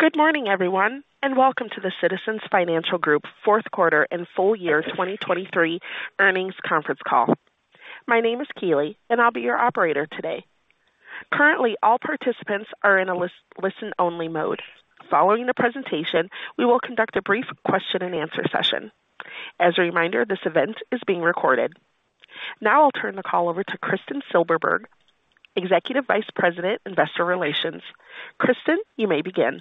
Good morning, everyone, and welcome to the Citizens Financial Group Fourth Quarter and Full Year 2023 Earnings Conference Call. My name is Keely, and I'll be your operator today. Currently, all participants are in a listen-only mode. Following the presentation, we will conduct a brief question-and-answer session. As a reminder, this event is being recorded. Now I'll turn the call over to Kristin Silberberg, Executive Vice President, Investor Relations. Kristin, you may begin.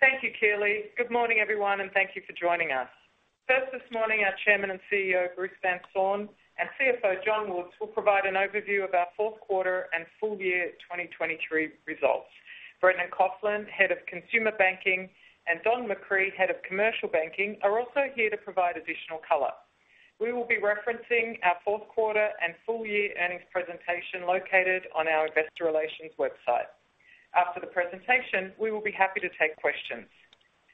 Thank you, Keely. Good morning, everyone, and thank you for joining us. First, this morning, our Chairman and CEO, Bruce Van Saun, and CFO, John Woods, will provide an overview of our fourth quarter and full year 2023 results. Brendan Coughlin, Head of Consumer Banking, and Don McCree, Head of Commercial Banking, are also here to provide additional color. We will be referencing our fourth quarter and full year earnings presentation located on our investor relations website. After the presentation, we will be happy to take questions.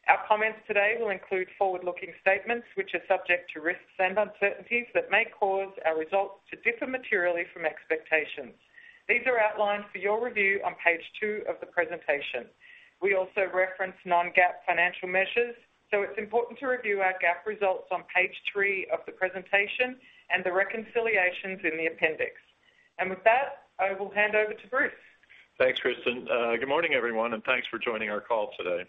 Our comments today will include forward-looking statements, which are subject to risks and uncertainties that may cause our results to differ materially from expectations. These are outlined for your review on Page two of the presentation. We also reference non-GAAP financial measures, so it's important to review our GAAP results on Page three of the presentation and the reconciliations in the appendix. With that, I will hand over to Bruce. Thanks, Kristin. Good morning, everyone, and thanks for joining our call today.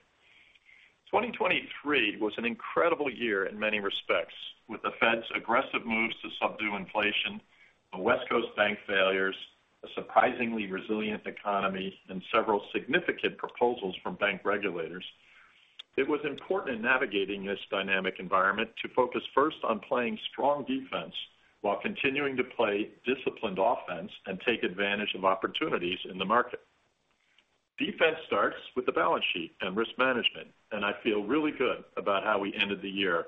2023 was an incredible year in many respects, with the Fed's aggressive moves to subdue inflation, the West Coast bank failures, a surprisingly resilient economy, and several significant proposals from bank regulators. It was important in navigating this dynamic environment to focus first on playing strong defense while continuing to play disciplined offense and take advantage of opportunities in the market. Defense starts with the balance sheet and risk management, and I feel really good about how we ended the year.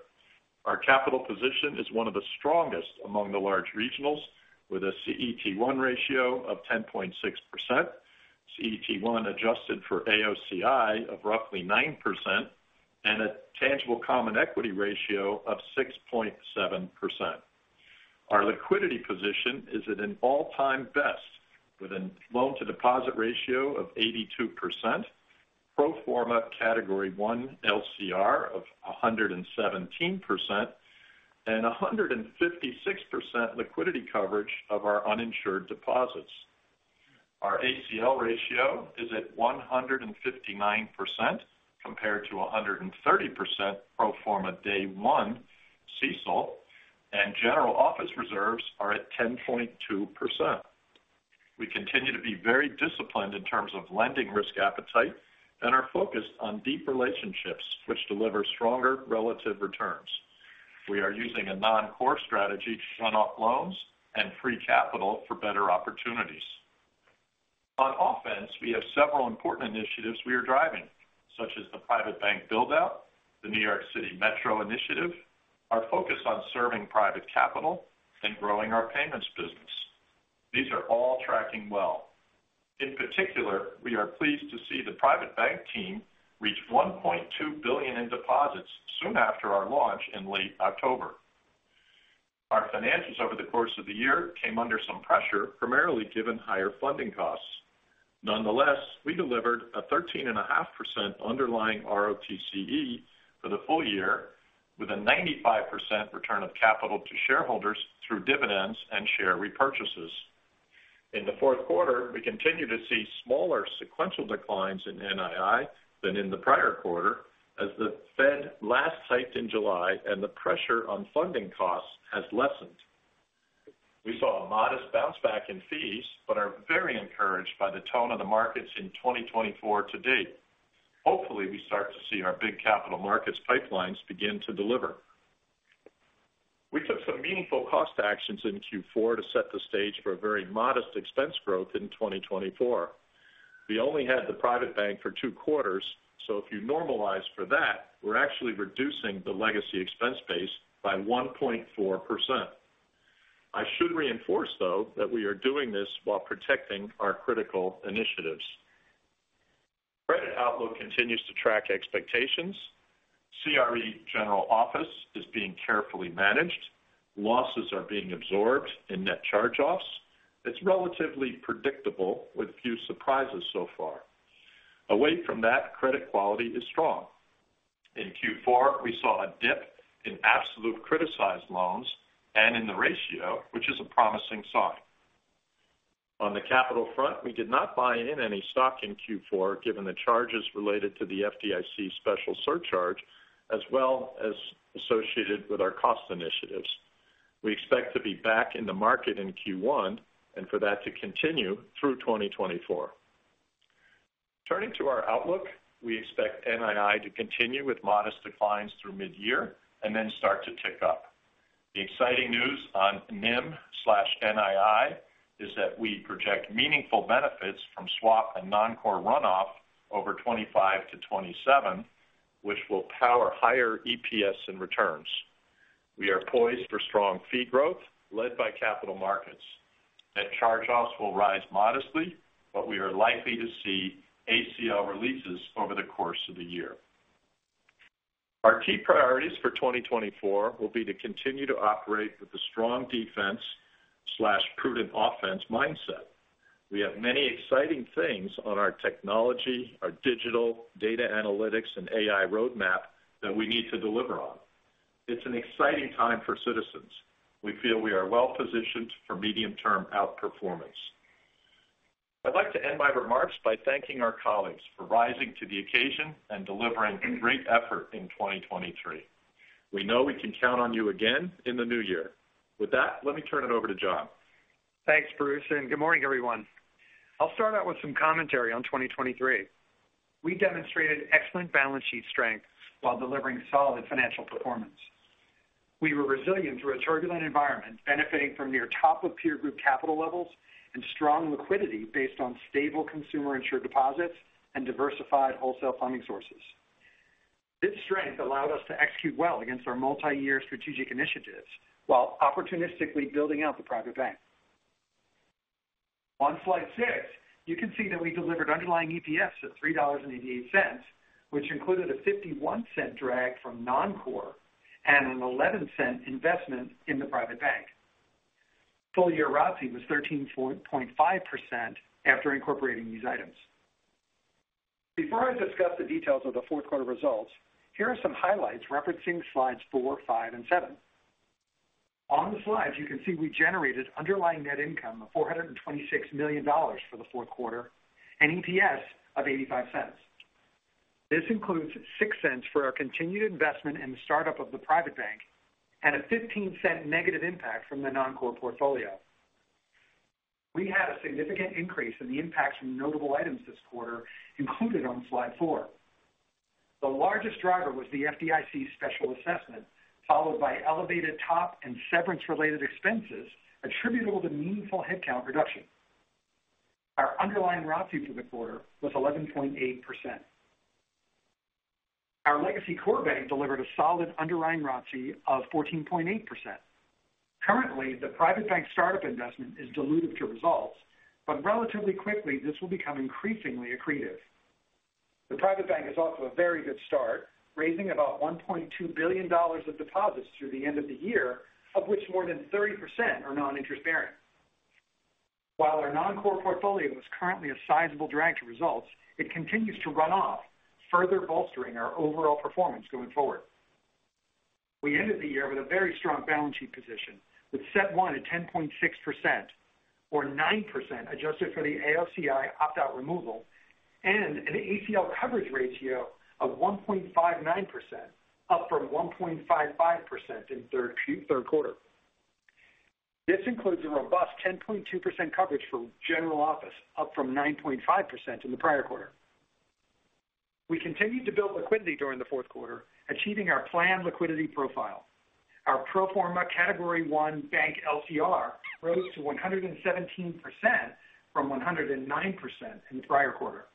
Our capital position is one of the strongest among the large regionals, with a CET1 ratio of 10.6%, CET1 adjusted for AOCI of roughly 9%, and a tangible common equity ratio of 6.7%. Our liquidity position is at an all-time best, with a loan-to-deposit ratio of 82%, pro forma Category I LCR of 117%, and 156% liquidity coverage of our uninsured deposits. Our ACL ratio is at 159%, compared to 130% pro forma Day 1 CECL, and general office reserves are at 10.2%. We continue to be very disciplined in terms of lending risk appetite and are focused on deep relationships, which deliver stronger relative returns. We are using a non-core strategy to run off loans and free capital for better opportunities. On offense, we have several important initiatives we are driving, such as the private bank build-out, the New York City Metro initiative, our focus on serving private capital and growing our payments business. These are all tracking well. In particular, we are pleased to see the private bank team reach $1.2 billion in deposits soon after our launch in late October. Our financials over the course of the year came under some pressure, primarily given higher funding costs. Nonetheless, we delivered a 13.5% underlying ROTCE for the full year, with a 95% return of capital to shareholders through dividends and share repurchases. In the fourth quarter, we continued to see smaller sequential declines in NII than in the prior quarter, as the Fed last hiked in July and the pressure on funding costs has lessened. We saw a modest bounce back in fees, but are very encouraged by the tone of the markets in 2024 to date. Hopefully, we start to see our big capital markets pipelines begin to deliver. We took some meaningful cost actions in Q4 to set the stage for a very modest expense growth in 2024. We only had the private bank for two quarters, so if you normalize for that, we're actually reducing the legacy expense base by 1.4%. I should reinforce, though, that we are doing this while protecting our critical initiatives. Credit outlook continues to track expectations. CRE general office is being carefully managed. Losses are being absorbed in net charge-offs. It's relatively predictable, with few surprises so far. Away from that, credit quality is strong. In Q4, we saw a dip in absolute criticized loans and in the ratio, which is a promising sign. On the capital front, we did not buy in any stock in Q4, given the charges related to the FDIC special surcharge as well as associated with our cost initiatives. We expect to be back in the market in Q1 and for that to continue through 2024. Turning to our outlook, we expect NII to continue with modest declines through mid-year and then start to tick up. The exciting news on NIM/NII is that we project meaningful benefits from swap and non-core runoff over 25-27, which will power higher EPS and returns. We are poised for strong fee growth led by capital markets. Net charge-offs will rise modestly, but we are likely to see ACL releases over the course of the year. Our key priorities for 2024 will be to continue to operate with a strong defense/prudent offense mindset. We have many exciting things on our technology, our digital data analytics, and AI roadmap that we need to deliver on. It's an exciting time for Citizens. We feel we are well-positioned for medium-term outperformance. I'd like to end my remarks by thanking our colleagues for rising to the occasion and delivering great effort in 2023. We know we can count on you again in the new year. With that, let me turn it over to John. Thanks, Bruce, and good morning, everyone. I'll start out with some commentary on 2023. We demonstrated excellent balance sheet strength while delivering solid financial performance. We were resilient through a turbulent environment, benefiting from near top-of-peer group capital levels and strong liquidity based on stable consumer insured deposits and diversified wholesale funding sources. This strength allowed us to execute well against our multiyear strategic initiatives while opportunistically building out the private bank. On Slide six, you can see that we delivered underlying EPS of $3.88, which included a $0.51 drag from noncore and a $0.11 investment in the private bank. Full-year ROTCE was 13.5% after incorporating these items. Before I discuss the details of the fourth quarter results, here are some highlights referencing Slides four, five, and seven. On the slides, you can see we generated underlying net income of $426 million for the fourth quarter and EPS of $0.85. This includes $0.06 for our continued investment in the startup of the private bank and a $0.15 negative impact from the noncore portfolio. We had a significant increase in the impact from notable items this quarter, included on Slide four. The largest driver was the FDIC special assessment, followed by elevated TOP and severance-related expenses attributable to meaningful headcount reduction. Our underlying ROTCE for the quarter was 11.8%. Our legacy core bank delivered a solid underlying ROTCE of 14.8%. Currently, the private bank startup investment is dilutive to results, but relatively quickly, this will become increasingly accretive. The private bank is off to a very good start, raising about $1.2 billion of deposits through the end of the year, of which more than 30% are non-interest bearing. While our non-core portfolio is currently a sizable drag to results, it continues to run off, further bolstering our overall performance going forward. We ended the year with a very strong balance sheet position, with CET1 at 10.6%, or 9% adjusted for the AOCI opt-out removal, and an ACL coverage ratio of 1.59%, up from 1.55% in third quarter. This includes a robust 10.2% coverage for general office, up from 9.5% in the prior quarter. We continued to build liquidity during the fourth quarter, achieving our planned liquidity profile. Our pro forma Category I bank LCR rose to 117% from 109% in the prior quarter.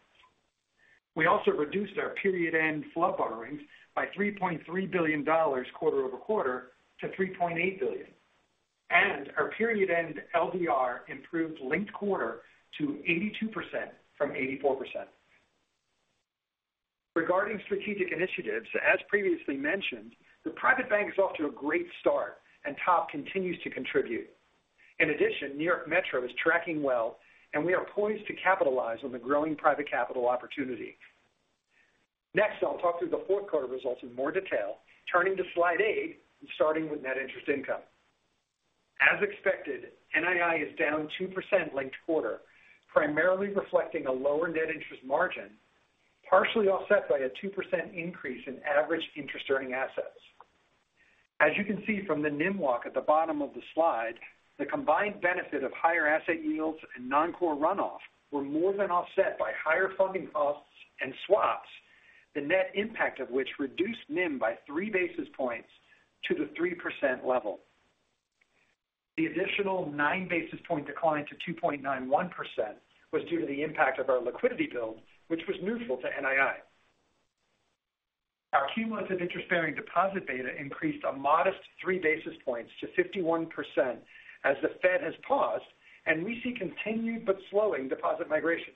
We also reduced our period-end FHLB borrowings by $3.3 billion quarter over quarter to $3.8 billion, and our period-end LDR improved linked-quarter to 82% from 84%. Regarding strategic initiatives, as previously mentioned, the private bank is off to a great start and TOP continues to contribute. In addition, New York Metro is tracking well, and we are poised to capitalize on the growing private capital opportunity. Next, I'll talk through the fourth quarter results in more detail, turning to Slide eight and starting with net interest income. As expected, NII is down 2% linked-quarter, primarily reflecting a lower net interest margin, partially offset by a 2% increase in average interest-earning assets. As you can see from the NIM walk at the bottom of the slide, the combined benefit of higher asset yields and non-core runoff were more than offset by higher funding costs and swaps, the net impact of which reduced NIM by three basis points to the 3% level. The additional nine basis point decline to 2.91% was due to the impact of our liquidity build, which was neutral to NII. Our cumulative interest-bearing deposit beta increased a modest three basis points to 51% as the Fed has paused, and we see continued but slowing deposit migration.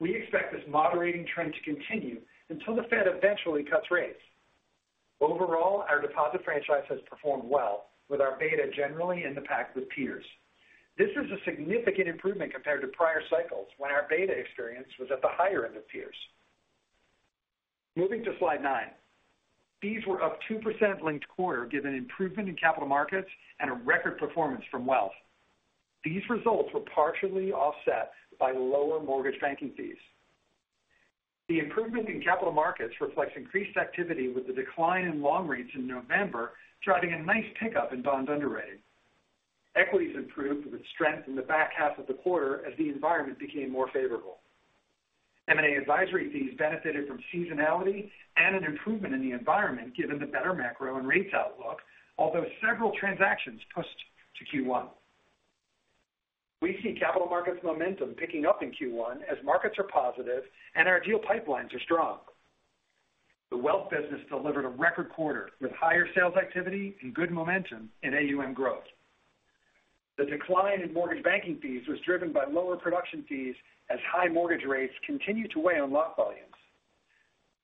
We expect this moderating trend to continue until the Fed eventually cuts rates. Overall, our deposit franchise has performed well, with our beta generally in the pack with peers. This is a significant improvement compared to prior cycles, when our beta experience was at the higher end of peers. Moving to Slide nine. Fees were up 2% linked quarter, given improvement in capital markets and a record performance from wealth. These results were partially offset by lower mortgage banking fees. The improvement in capital markets reflects increased activity, with the decline in long rates in November, driving a nice pickup in bonds underwriting. Equities improved with strength in the back half of the quarter as the environment became more favorable. M&A advisory fees benefited from seasonality and an improvement in the environment, given the better macro and rates outlook, although several transactions pushed to Q1. We see capital markets momentum picking up in Q1 as markets are positive and our deal pipelines are strong. The wealth business delivered a record quarter, with higher sales activity and good momentum in AUM growth. The decline in mortgage banking fees was driven by lower production fees as high mortgage rates continued to weigh on lock volumes.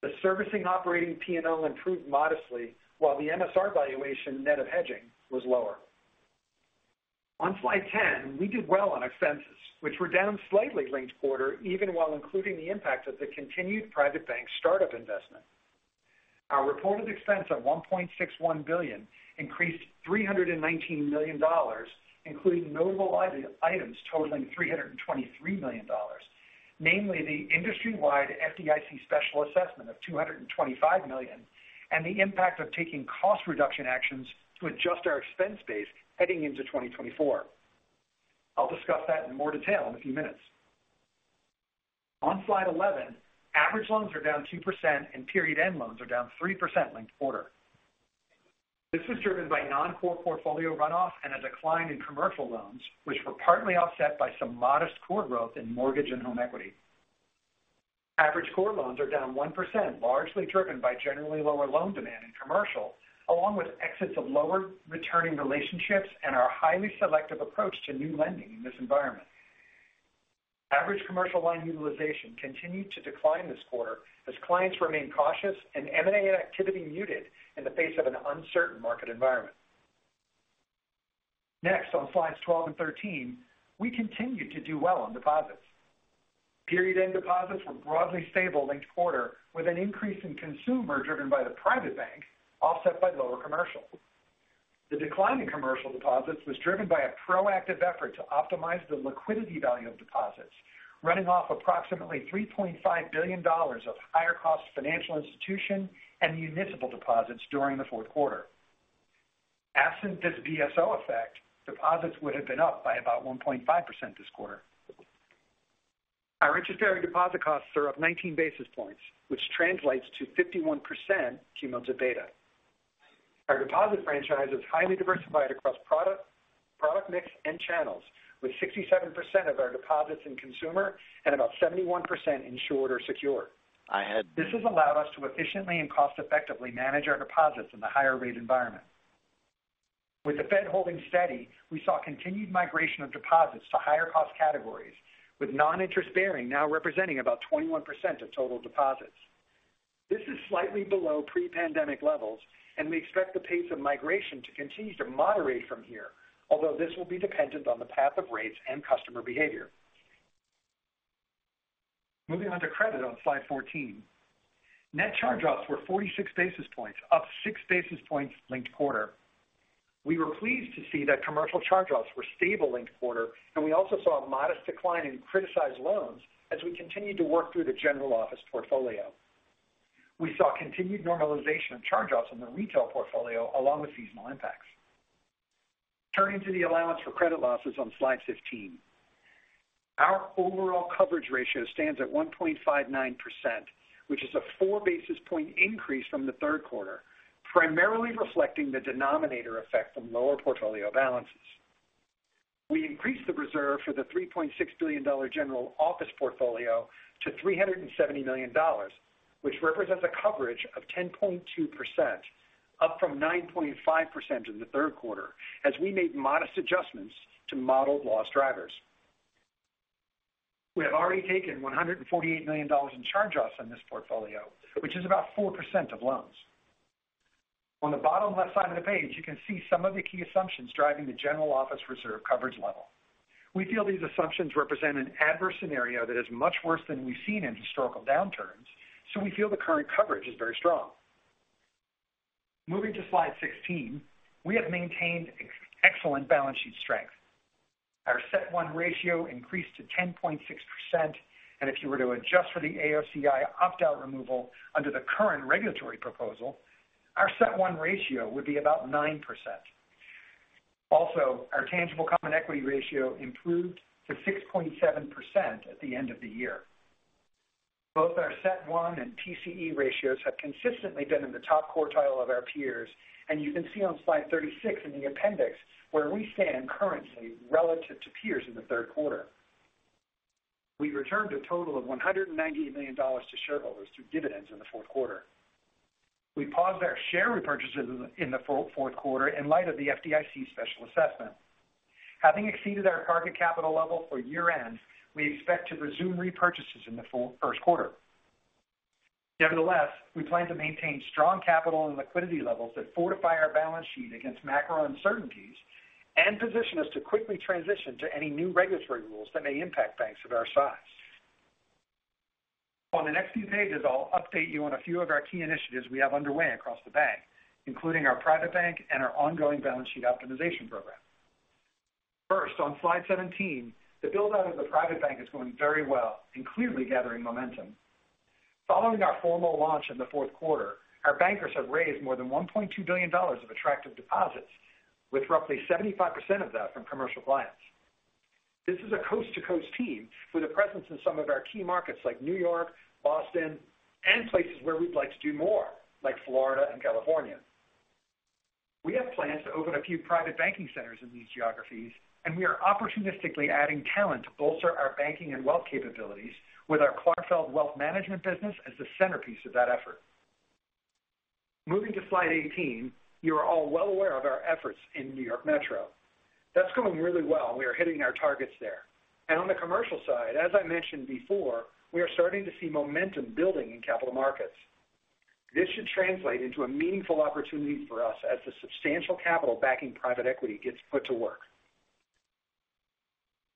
The servicing operating P&L improved modestly, while the MSR valuation net of hedging was lower. On Slide 10, we did well on expenses, which were down slightly linked quarter, even while including the impact of the continued private bank startup investment. Our reported expense of $1.61 billion increased $319 million, including notable items totaling $323 million, namely the industry-wide FDIC special assessment of $225 million, and the impact of taking cost reduction actions to adjust our expense base heading into 2024. I'll discuss that in more detail in a few minutes. On Slide 11, average loans are down 2% and period-end loans are down 3% linked quarter. This was driven by noncore portfolio runoff and a decline in commercial loans, which were partly offset by some modest core growth in mortgage and home equity. Average core loans are down 1%, largely driven by generally lower loan demand in commercial, along with exits of lower returning relationships and our highly selective approach to new lending in this environment. Average commercial line utilization continued to decline this quarter as clients remained cautious and M&A activity muted in the face of an uncertain market environment. Next, on Slides 12 and 13, we continued to do well on deposits. Period-end deposits were broadly stable linked quarter, with an increase in consumer driven by the private bank offset by lower commercial. The decline in commercial deposits was driven by a proactive effort to optimize the liquidity value of deposits, running off approximately $3.5 billion of higher cost financial institution and municipal deposits during the fourth quarter. Absent this BSO effect, deposits would have been up by about 1.5% this quarter. Our interest-bearing deposit costs are up 19 basis points, which translates to 51% cumulative beta. Our deposit franchise is highly diversified across product, product mix, and channels, with 67% of our deposits in consumer and about 71% insured or secured. This has allowed us to efficiently and cost-effectively manage our deposits in the higher rate environment. With the Fed holding steady, we saw continued migration of deposits to higher cost categories, with non-interest-bearing now representing about 21% of total deposits. This is slightly below pre-pandemic levels, and we expect the pace of migration to continue to moderate from here, although this will be dependent on the path of rates and customer behavior. Moving on to credit on Slide 14. Net charge-offs were 46 basis points, up 6 basis points linked quarter. We were pleased to see that commercial charge-offs were stable linked quarter, and we also saw a modest decline in criticized loans as we continued to work through the general office portfolio. We saw continued normalization of charge-offs in the retail portfolio along with seasonal impacts. Turning to the allowance for credit losses on Slide 15. Our overall coverage ratio stands at 1.59%, which is a 4 basis point increase from the third quarter, primarily reflecting the denominator effect from lower portfolio balances. We increased the reserve for the $3.6 billion general office portfolio to $370 million, which represents a coverage of 10.2%, up from 9.5% in the third quarter, as we made modest adjustments to modeled loss drivers. We have already taken $148 million in charge-offs on this portfolio, which is about 4% of loans. On the bottom left side of the page, you can see some of the key assumptions driving the general office reserve coverage level. We feel these assumptions represent an adverse scenario that is much worse than we've seen in historical downturns, so we feel the current coverage is very strong. Moving to Slide 16, we have maintained excellent balance sheet strength. Our CET1 ratio increased to 10.6%, and if you were to adjust for the AOCI opt-out removal under the current regulatory proposal, our CET1 ratio would be about 9%. Also, our tangible common equity ratio improved to 6.7% at the end of the year. Both our CET1 and TCE ratios have consistently been in the top quartile of our peers, and you can see on Slide 36 in the appendix where we stand currently relative to peers in the third quarter. We returned a total of $198 million to shareholders through dividends in the fourth quarter. We paused our share repurchases in the fourth quarter in light of the FDIC special assessment. Having exceeded our target capital level for year-end, we expect to resume repurchases in the full first quarter. Nevertheless, we plan to maintain strong capital and liquidity levels that fortify our balance sheet against macro uncertainties and position us to quickly transition to any new regulatory rules that may impact banks of our size. On the next few pages, I'll update you on a few of our key initiatives we have underway across the bank, including our private bank and our ongoing balance sheet optimization program. First, on Slide 17, the build-out of the private bank is going very well and clearly gathering momentum. Following our formal launch in the fourth quarter, our bankers have raised more than $1.2 billion of attractive deposits, with roughly 75% of that from commercial clients. This is a coast-to-coast team with a presence in some of our key markets like New York, Boston, and places where we'd like to do more, like Florida and California. We have plans to open a few private banking centers in these geographies, and we are opportunistically adding talent to bolster our banking and wealth capabilities with our Clarfeld Wealth Management business as the centerpiece of that effort. Moving to Slide 18, you are all well aware of our efforts in New York Metro. That's going really well, and we are hitting our targets there. On the commercial side, as I mentioned before, we are starting to see momentum building in capital markets. This should translate into a meaningful opportunity for us as the substantial capital backing private equity gets put to work.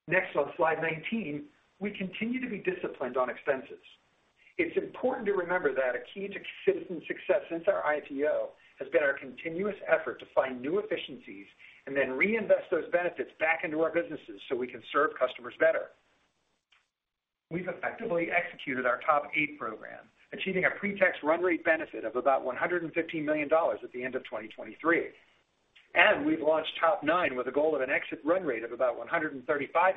Next, on Slide 19, we continue to be disciplined on expenses. It's important to remember that a key to Citizens success since our IPO has been our continuous effort to find new efficiencies and then reinvest those benefits back into our businesses so we can serve customers better. We've effectively executed our TOP 8 program, achieving a pretax run rate benefit of about $115 million at the end of 2023. And we've launched TOP 9 with a goal of an exit run rate of about $135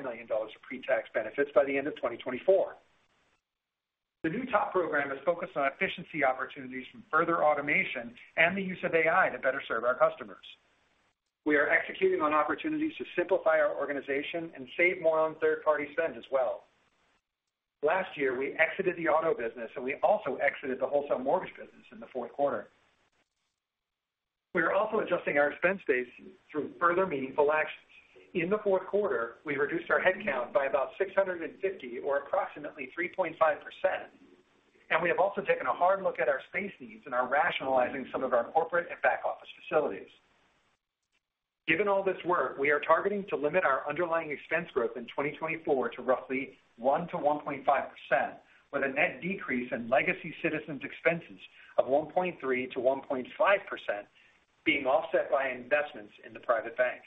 million of pretax benefits by the end of 2024. The new TOP program is focused on efficiency opportunities from further automation and the use of AI to better serve our customers. We are executing on opportunities to simplify our organization and save more on third-party spends as well. Last year, we exited the auto business, and we also exited the wholesale mortgage business in the fourth quarter. We are also adjusting our expense base through further meaningful actions. In the fourth quarter, we reduced our headcount by about 650 or approximately 3.5%, and we have also taken a hard look at our space needs and are rationalizing some of our corporate and back-office facilities. Given all this work, we are targeting to limit our underlying expense growth in 2024 to roughly 1%-1.5%, with a net decrease in legacy Citizens expenses of 1.3%-1.5% being offset by investments in the private bank.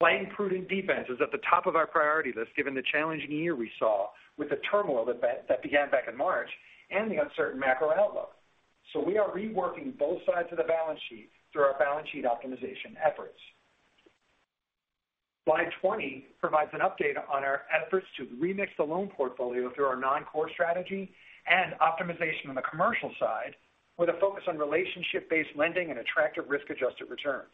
Playing prudent defense is at the top of our priority list, given the challenging year we saw with the turmoil that that began back in March and the uncertain macro outlook. So we are reworking both sides of the balance sheet through our balance sheet optimization efforts. Slide 20 provides an update on our efforts to remix the loan portfolio through our non-core strategy and optimization on the commercial side, with a focus on relationship-based lending and attractive risk-adjusted returns.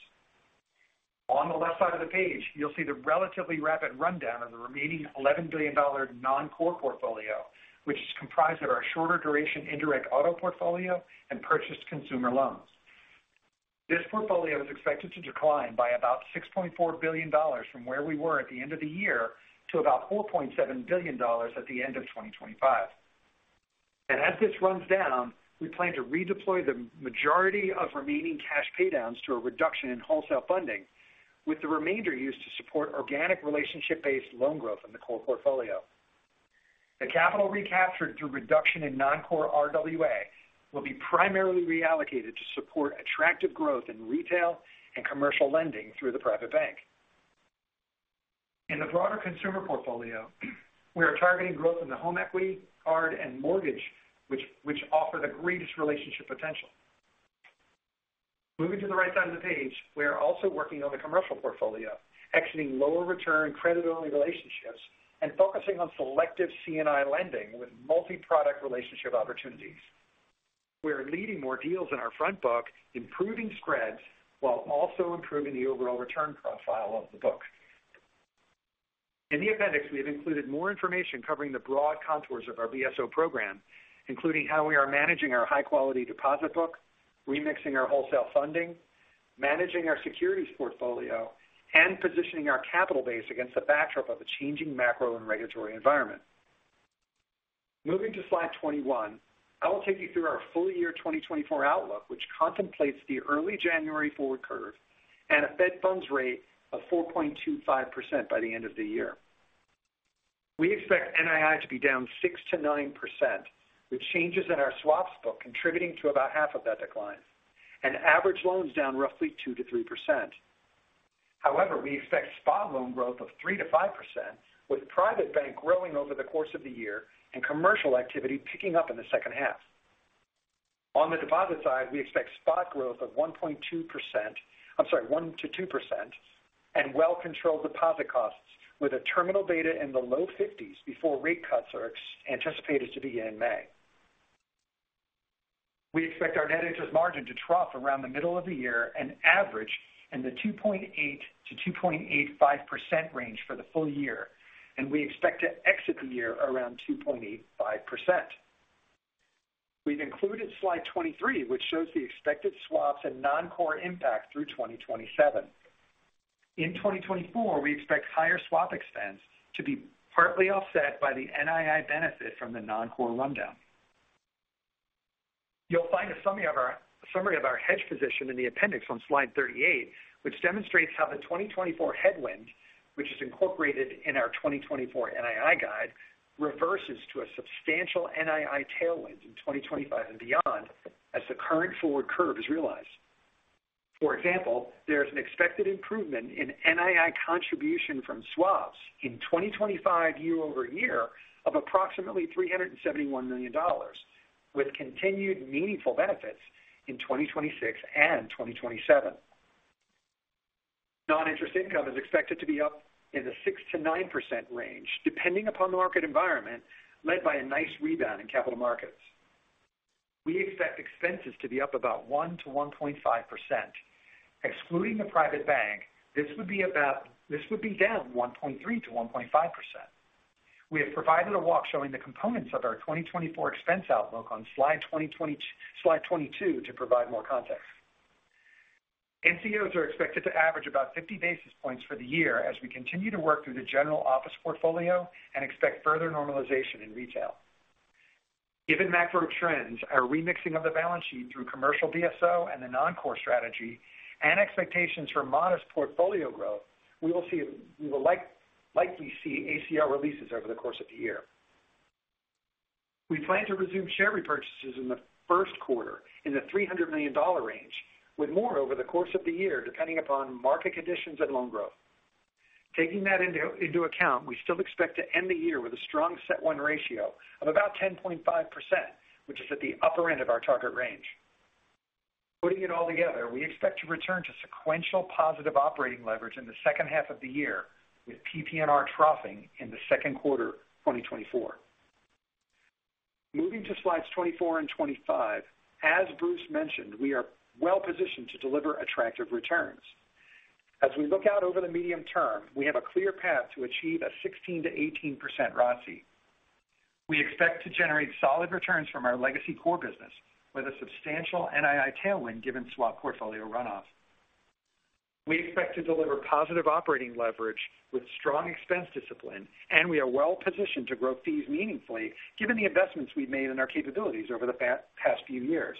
On the left side of the page, you'll see the relatively rapid rundown of the remaining $11 billion non-core portfolio, which is comprised of our shorter duration indirect auto portfolio and purchased consumer loans. This portfolio is expected to decline by about $6.4 billion from where we were at the end of the year to about $4.7 billion at the end of 2025. And as this runs down, we plan to redeploy the majority of remaining cash paydowns through a reduction in wholesale funding, with the remainder used to support organic relationship-based loan growth in the core portfolio. The capital recaptured through reduction in non-core RWA will be primarily reallocated to support attractive growth in retail and commercial lending through the private bank. In the broader consumer portfolio, we are targeting growth in the home equity, card, and mortgage, which offer the greatest relationship potential. Moving to the right side of the page, we are also working on the commercial portfolio, exiting lower return credit-only relationships and focusing on selective C&I lending with multi-product relationship opportunities. We are leading more deals in our front book, improving spreads while also improving the overall return profile of the book. In the appendix, we have included more information covering the broad contours of our BSO program, including how we are managing our high-quality deposit book, remixing our wholesale funding, managing our securities portfolio, and positioning our capital base against the backdrop of a changing macro and regulatory environment. Moving to Slide 21, I will take you through our full year 2024 outlook, which contemplates the early January forward curve and a Fed funds rate of 4.25% by the end of the year. We expect NII to be down 6%-9%, with changes in our swaps book contributing to about half of that decline, and average loans down roughly 2%-3%. However, we expect spot loan growth of 3%-5%, with private bank growing over the course of the year and commercial activity picking up in the second half. On the deposit side, we expect spot growth of 1.2%—I'm sorry, 1%-2%, and well-controlled deposit costs with a terminal beta in the low 50s before rate cuts are anticipated to begin in May. We expect our net interest margin to trough around the middle of the year and average in the 2.8%-2.85% range for the full year, and we expect to exit the year around 2.85%. We've included Slide 23, which shows the expected swaps and non-core impact through 2027. In 2024, we expect higher swap expense to be partly offset by the NII benefit from the non-core rundown. You'll find a summary of our hedge position in the appendix on Slide 38, which demonstrates how the 2024 headwind, which is incorporated in our 2024 NII guide, reverses to a substantial NII tailwind in 2025 and beyond, as the current forward curve is realized. For example, there is an expected improvement in NII contribution from swaps in 2025 year-over-year of approximately $371 million, with continued meaningful benefits in 2026 and 2027. Non-interest income is expected to be up in the 6%-9% range, depending upon the market environment, led by a nice rebound in capital markets. We expect expenses to be up about 1%-1.5%. Excluding the private bank, this would be about—this would be down 1.3%-1.5%. We have provided a walk showing the components of our 2024 expense outlook on Slide 20—Slide 22 to provide more context. NCOs are expected to average about 50 basis points for the year as we continue to work through the general office portfolio and expect further normalization in retail. Given macro trends, our remixing of the balance sheet through commercial BSO and the non-core strategy and expectations for modest portfolio growth, we will see—we will, like, likely see ACL releases over the course of the year. We plan to resume share repurchases in the first quarter in the $300 million range, with more over the course of the year, depending upon market conditions and loan growth. Taking that into account, we still expect to end the year with a strong CET1 ratio of about 10.5%, which is at the upper end of our target range. Putting it all together, we expect to return to sequential positive operating leverage in the second half of the year, with PPNR troughing in the second quarter of 2024. Moving to Slides 24 and 25. As Bruce mentioned, we are well positioned to deliver attractive returns. As we look out over the medium term, we have a clear path to achieve a 16%-18% ROTCE. We expect to generate solid returns from our legacy core business with a substantial NII tailwind given swap portfolio runoff. We expect to deliver positive operating leverage with strong expense discipline, and we are well positioned to grow fees meaningfully given the investments we've made in our capabilities over the past few years.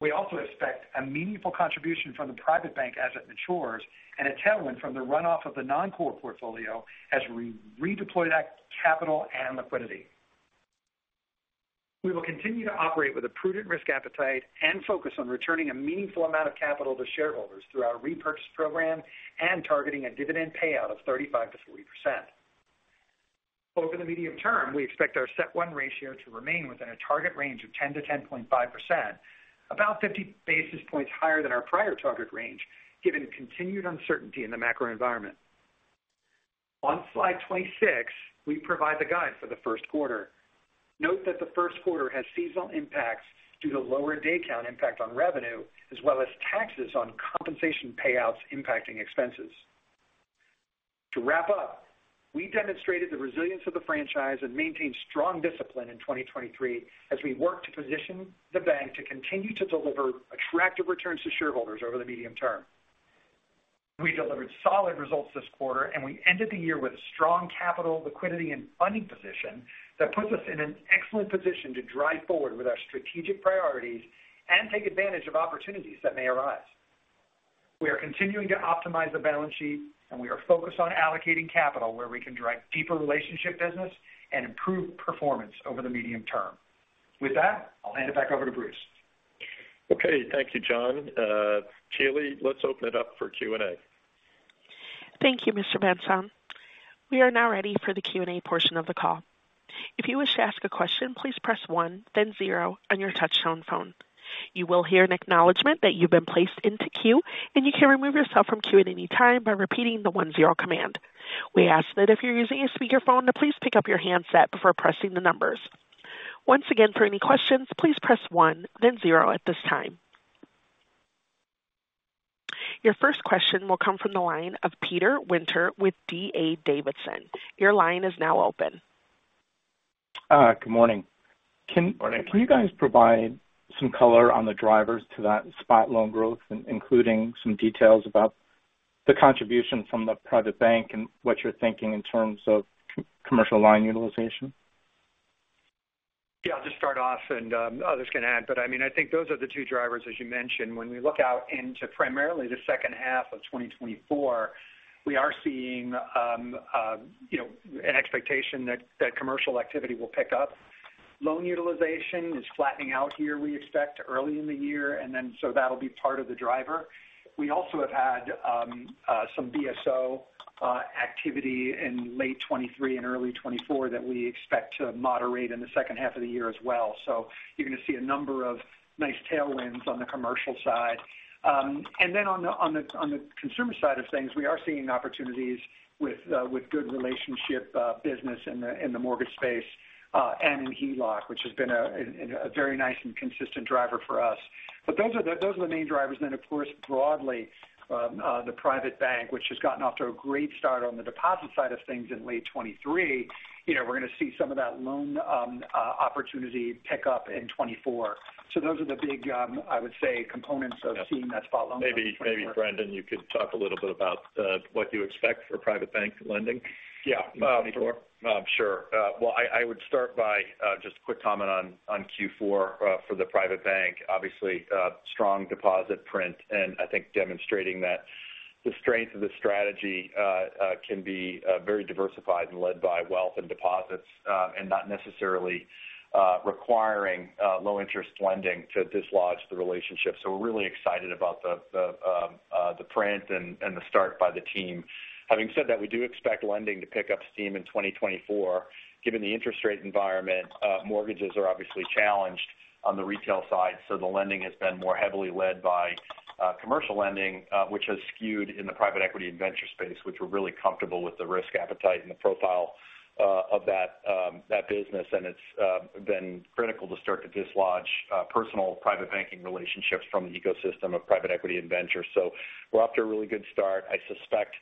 We also expect a meaningful contribution from the private bank as it matures and a tailwind from the runoff of the non-core portfolio as we redeploy that capital and liquidity. We will continue to operate with a prudent risk appetite and focus on returning a meaningful amount of capital to shareholders through our repurchase program and targeting a dividend payout of 35%-40%. Over the medium term, we expect our CET1 ratio to remain within a target range of 10%-10.5%, about 50 basis points higher than our prior target range, given continued uncertainty in the macro environment. On Slide 26, we provide the guide for the first quarter. Note that the first quarter has seasonal impacts due to lower day count impact on revenue, as well as taxes on compensation payouts impacting expenses. To wrap up, we demonstrated the resilience of the franchise and maintained strong discipline in 2023 as we worked to position the bank to continue to deliver attractive returns to shareholders over the medium term. We delivered solid results this quarter, and we ended the year with a strong capital, liquidity, and funding position that puts us in an excellent position to drive forward with our strategic priorities and take advantage of opportunities that may arise. We are continuing to optimize the balance sheet, and we are focused on allocating capital where we can drive deeper relationship business and improve performance over the medium term. With that, I'll hand it back over to Bruce. Okay. Thank you, John. Keely, let's open it up for Q&A. Thank you, Mr. Van Saun. We are now ready for the Q&A portion of the call. If you wish to ask a question, please press one, then zero on your touchtone phone. You will hear an acknowledgment that you've been placed into queue, and you can remove yourself from queue at any time by repeating the one-zero command. We ask that if you're using a speakerphone to please pick up your handset before pressing the numbers. Once again, for any questions, please press one, then zero at this time. Your first question will come from the line of Peter Winter with D.A. Davidson. Your line is now open. Good morning. Good morning. Can you guys provide some color on the drivers to that spot loan growth, including some details about the contribution from the private bank and what you're thinking in terms of commercial line utilization? Yeah, I'll just start off and, others can add, but, I mean, I think those are the two drivers, as you mentioned. When we look out into primarily the second half of 2024, we are seeing, you know, an expectation that commercial activity will pick up. Loan utilization is flattening out here, we expect early in the year, and then so that'll be part of the driver. We also have had some BSO activity in late 2023 and early 2024 that we expect to moderate in the second half of the year as well. So you're going to see a number of nice tailwinds on the commercial side. And then on the consumer side of things, we are seeing opportunities with good relationship business in the mortgage space and in HELOC, which has been a very nice and consistent driver for us. But those are the main drivers. Then, of course, broadly, the private bank, which has gotten off to a great start on the deposit side of things in late 2023. You know, we're going to see some of that loan opportunity pick up in 2024. So those are the big, I would say, components of seeing that spot loan- Maybe, maybe, Brendan, you could talk a little bit about what you expect for private bank lending? Yeah. Twenty-four. Sure. Well, I would start by just a quick comment on Q4 for the private bank. Obviously, strong deposit print, and I think demonstrating that the strength of the strategy can be very diversified and led by wealth and deposits, and not necessarily requiring low interest lending to dislodge the relationship. So we're really excited about the print and the start by the team. Having said that, we do expect lending to pick up steam in 2024. Given the interest rate environment, mortgages are obviously challenged on the retail side, so the lending has been more heavily led by commercial lending, which has skewed in the private equity and venture space, which we're really comfortable with the risk appetite and the profile of that. that business, and it's been critical to start to dislodge personal private banking relationships from the ecosystem of private equity and venture. So we're off to a really good start. I suspect,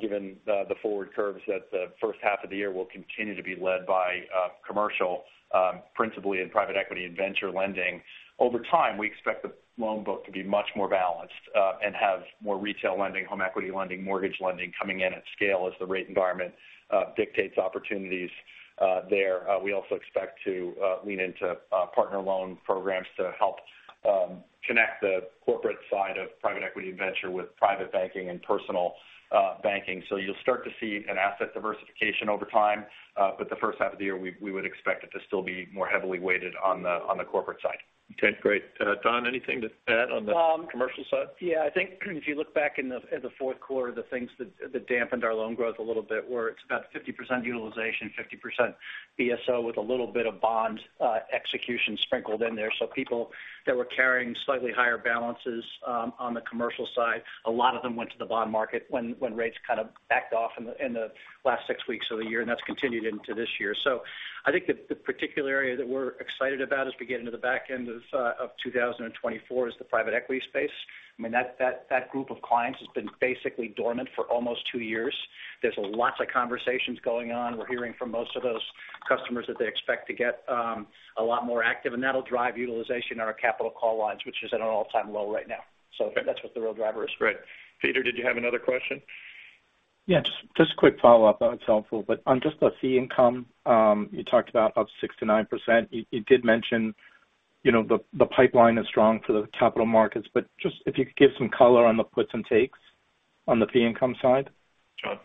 given the forward curves, that the first half of the year will continue to be led by commercial, principally in private equity and venture lending. Over time, we expect the loan book to be much more balanced, and have more retail lending, home equity lending, mortgage lending coming in at scale as the rate environment dictates opportunities, there. We also expect to lean into partner loan programs to help connect the corporate side of private equity and venture with private banking and personal banking. So you'll start to see an asset diversification over time. But the first half of the year, we would expect it to still be more heavily weighted on the corporate side. Okay, great. Don, anything to add on the commercial side? Yeah, I think if you look back in the fourth quarter, the things that dampened our loan growth a little bit were it's about 50% utilization, 50% BSO, with a little bit of bond execution sprinkled in there. So people that were carrying slightly higher balances on the commercial side, a lot of them went to the bond market when rates kind of backed off in the last six weeks of the year, and that's continued into this year. So I think the particular area that we're excited about as we get into the back end of 2024 is the private equity space. I mean, that group of clients has been basically dormant for almost two years. There's lots of conversations going on. We're hearing from most of those customers that they expect to get a lot more active, and that'll drive utilization on our capital call lines, which is at an all-time low right now. So that's what the real driver is. Great. Peter, did you have another question? Yeah, just a quick follow-up. It's helpful, but on just the fee income, you talked about up 6% to 9%. You did mention, you know, the pipeline is strong for the capital markets, but just if you could give some color on the puts and takes on the fee income side. John?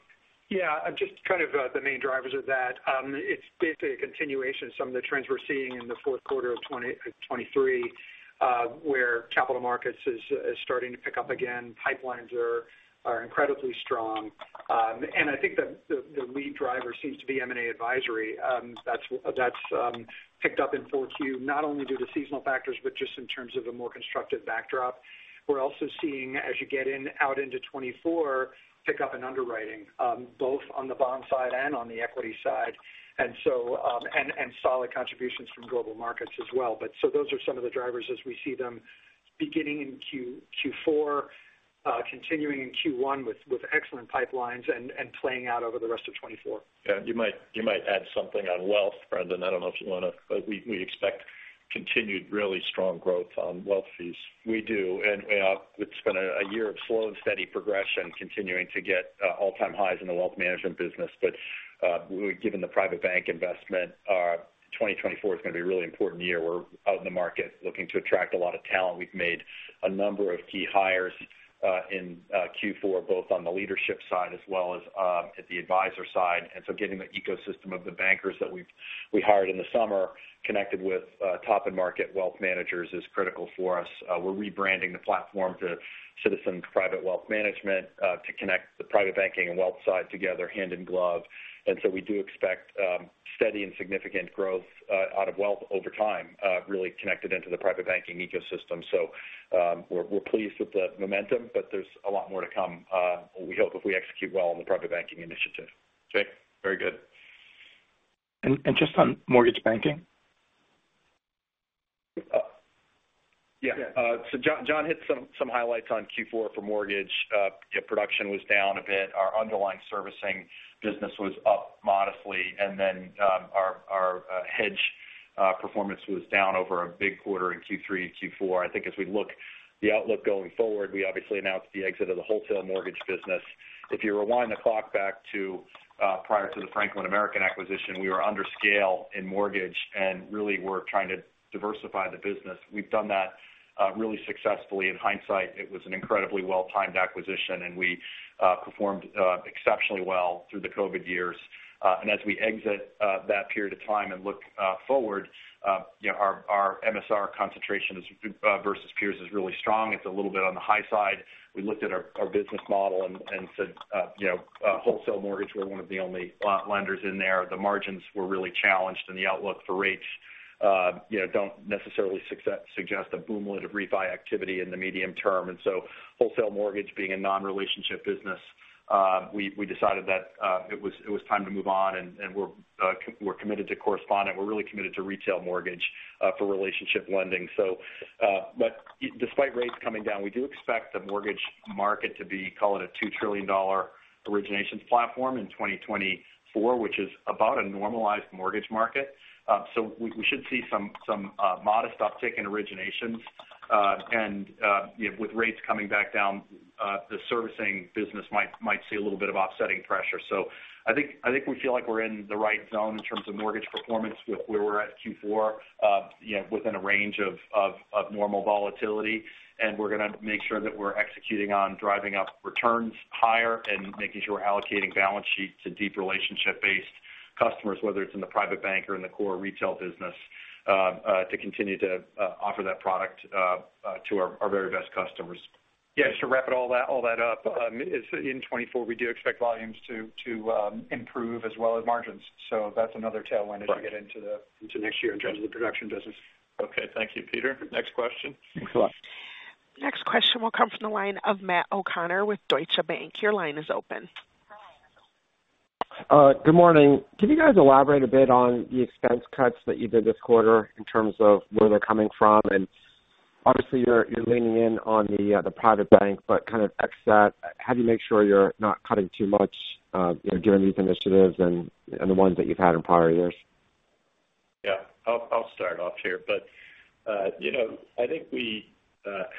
Yeah, just kind of, the main drivers of that. It's basically a continuation of some of the trends we're seeing in the fourth quarter of 2023, where capital markets is starting to pick up again. Pipelines are incredibly strong. And I think that the lead driver seems to be M&A advisory. That's picked up in Q4, not only due to seasonal factors, but just in terms of a more constructive backdrop. We're also seeing, as you get into 2024, pick up in underwriting, both on the bond side and on the equity side, and so, and solid contributions from global markets as well. So those are some of the drivers as we see them beginning in Q4, continuing in Q1 with excellent pipelines and playing out over the rest of 2024. Yeah, you might, you might add something on wealth, Brendan. I don't know if you want to, but we, we expect continued really strong growth on wealth fees. We do, and it's been a year of slow and steady progression, continuing to get all-time highs in the wealth management business. But we, given the private bank investment, 2024 is going to be a really important year. We're out in the market looking to attract a lot of talent. We've made a number of key hires in Q4, both on the leadership side as well as at the advisor side. And so getting the ecosystem of the bankers that we've hired in the summer, connected with top-end market wealth managers is critical for us. We're rebranding the platform to Citizens Private Wealth Management to connect the private banking and wealth side together, hand in glove. We do expect steady and significant growth out of wealth over time, really connected into the private banking ecosystem. So, we're pleased with the momentum, but there's a lot more to come, we hope, if we execute well on the private banking initiative. Okay, very good. Just on mortgage banking? Yeah. Yeah. So John hit some highlights on Q4 for mortgage. Production was down a bit. Our underlying servicing business was up modestly, and then our hedge performance was down over a big quarter in Q3 and Q4. I think as we look the outlook going forward, we obviously announced the exit of the wholesale mortgage business. If you rewind the clock back to prior to the Franklin American acquisition, we were under scale in mortgage, and really we're trying to diversify the business. We've done that really successfully. In hindsight, it was an incredibly well-timed acquisition, and we performed exceptionally well through the COVID years. And as we exit that period of time and look forward, you know, our MSR concentration versus peers is really strong. It's a little bit on the high side. We looked at our business model and said, you know, wholesale mortgage, we're one of the only lenders in there. The margins were really challenged, and the outlook for rates, you know, don't necessarily suggest a boomlet of refi activity in the medium term. And so wholesale mortgage being a non-relationship business, we decided that it was time to move on, and we're committed to correspondent. We're really committed to retail mortgage for relationship lending. So, but despite rates coming down, we do expect the mortgage market to be, call it, a $2 trillion originations platform in 2024, which is about a normalized mortgage market. So we should see some modest uptick in originations. And, you know, with rates coming back down, the servicing business might see a little bit of offsetting pressure. So I think we feel like we're in the right zone in terms of mortgage performance with where we're at Q4, you know, within a range of normal volatility. And we're gonna make sure that we're executing on driving up returns higher and making sure we're allocating balance sheets to deep relationship-based customers, whether it's in the private bank or in the core retail business, to continue to offer that product to our very best customers. Yeah, to wrap it all that, all that up, is in 2024, we do expect volumes to improve as well as margins. So that's another tailwind-Right- as we get into next year in terms of the production business. Okay. Thank you, Peter. Next question? Thanks a lot. Next question will come from the line of Matt O'Connor with Deutsche Bank. Your line is open. Good morning. Can you guys elaborate a bit on the expense cuts that you did this quarter in terms of where they're coming from? And obviously, you're leaning in on the private bank, but kind of ex-set. How do you make sure you're not cutting too much, you know, during these initiatives and the ones that you've had in prior years? Yeah, I'll start off here. But you know, I think we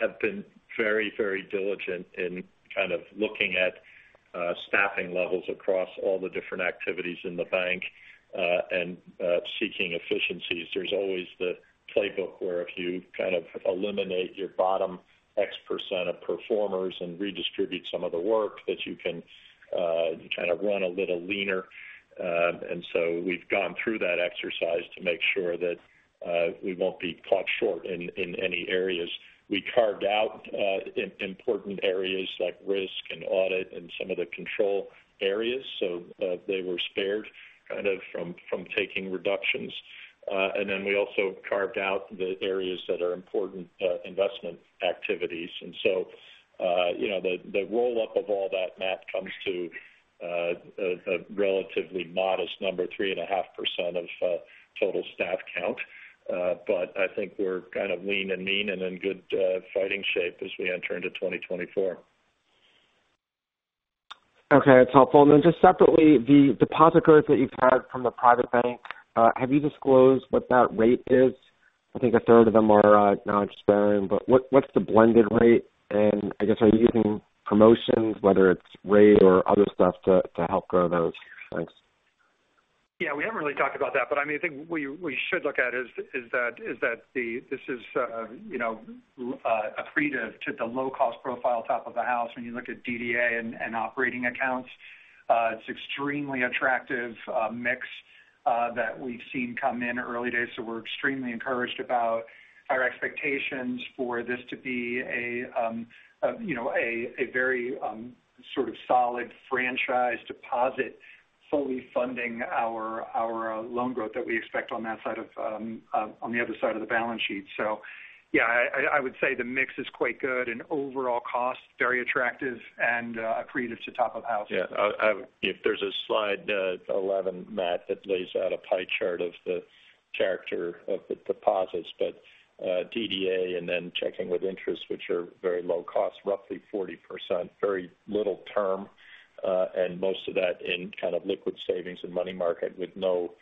have been very, very diligent in kind of looking at staffing levels across all the different activities in the bank, and seeking efficiencies. There's always the playbook where if you kind of eliminate your bottom X% of performers and redistribute some of the work, that you can kind of run a little leaner. And so we've gone through that exercise to make sure that we won't be caught short in any areas. We carved out important areas like risk and audit and some of the control areas, so they were spared kind of from taking reductions. And then we also carved out the areas that are important investment activities. And so, you know, the roll-up of all that, Matt, comes to a relatively modest number, 3.5% of total staff count. But I think we're kind of lean and mean and in good fighting shape as we enter into 2024. Okay, that's helpful. And then just separately, the deposit growth that you've had from the private bank, have you disclosed what that rate is? I think a third of them are non-interest-bearing, but what's the blended rate? And I guess, are you using promotions, whether it's rate or other stuff, to help grow those? Thanks. Yeah, we haven't really talked about that, but I mean, I think what we should look at is that this is, you know, accretive to the low-cost profile top of the house. When you look at DDA and operating accounts, it's extremely attractive mix that we've seen come in early days. So we're extremely encouraged about our expectations for this to be a, you know, a very sort of solid franchise deposit, fully funding our loan growth that we expect on that side of on the other side of the balance sheet. So yeah, I would say the mix is quite good and overall cost, very attractive and accretive to top of house. Yeah, if there's a Slide 11, Matt, that lays out a pie chart of the character of the deposits. But DDA and then checking with interests, which are very low cost, roughly 40%, very little term, and most of that in kind of liquid savings and money market with no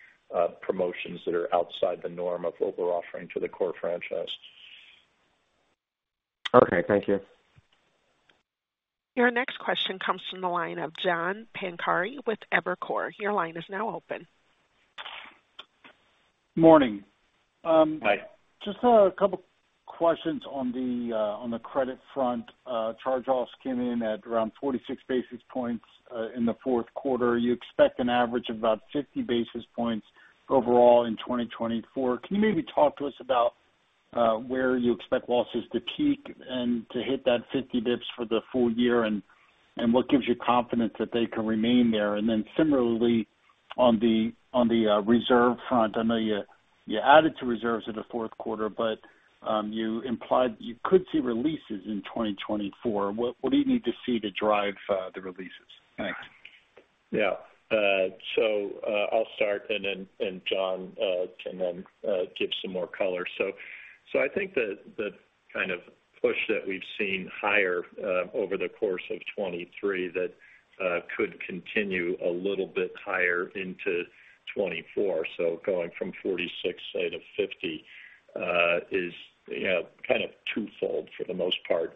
promotions that are outside the norm of what we're offering to the core franchise. Okay, thank you. Your next question comes from the line of John Pancari with Evercore. Your line is now open. Morning. Hi. Just a couple questions on the credit front. Charge-offs came in at around 46 basis points in the fourth quarter. You expect an average of about 50 basis points overall in 2024. Can you maybe talk to us about where you expect losses to peak and to hit that 50 basis points for the full year, and what gives you confidence that they can remain there? And then similarly, on the reserve front, I know you added to reserves in the fourth quarter, but you implied you could see releases in 2024. What do you need to see to drive the releases? Thanks. Yeah. So, I'll start, and then John can then give some more color. So I think the kind of push that we've seen higher over the course of 2023, that could continue a little bit higher into 2024. So going from 46, say, to 50 is, you know, kind of twofold for the most part.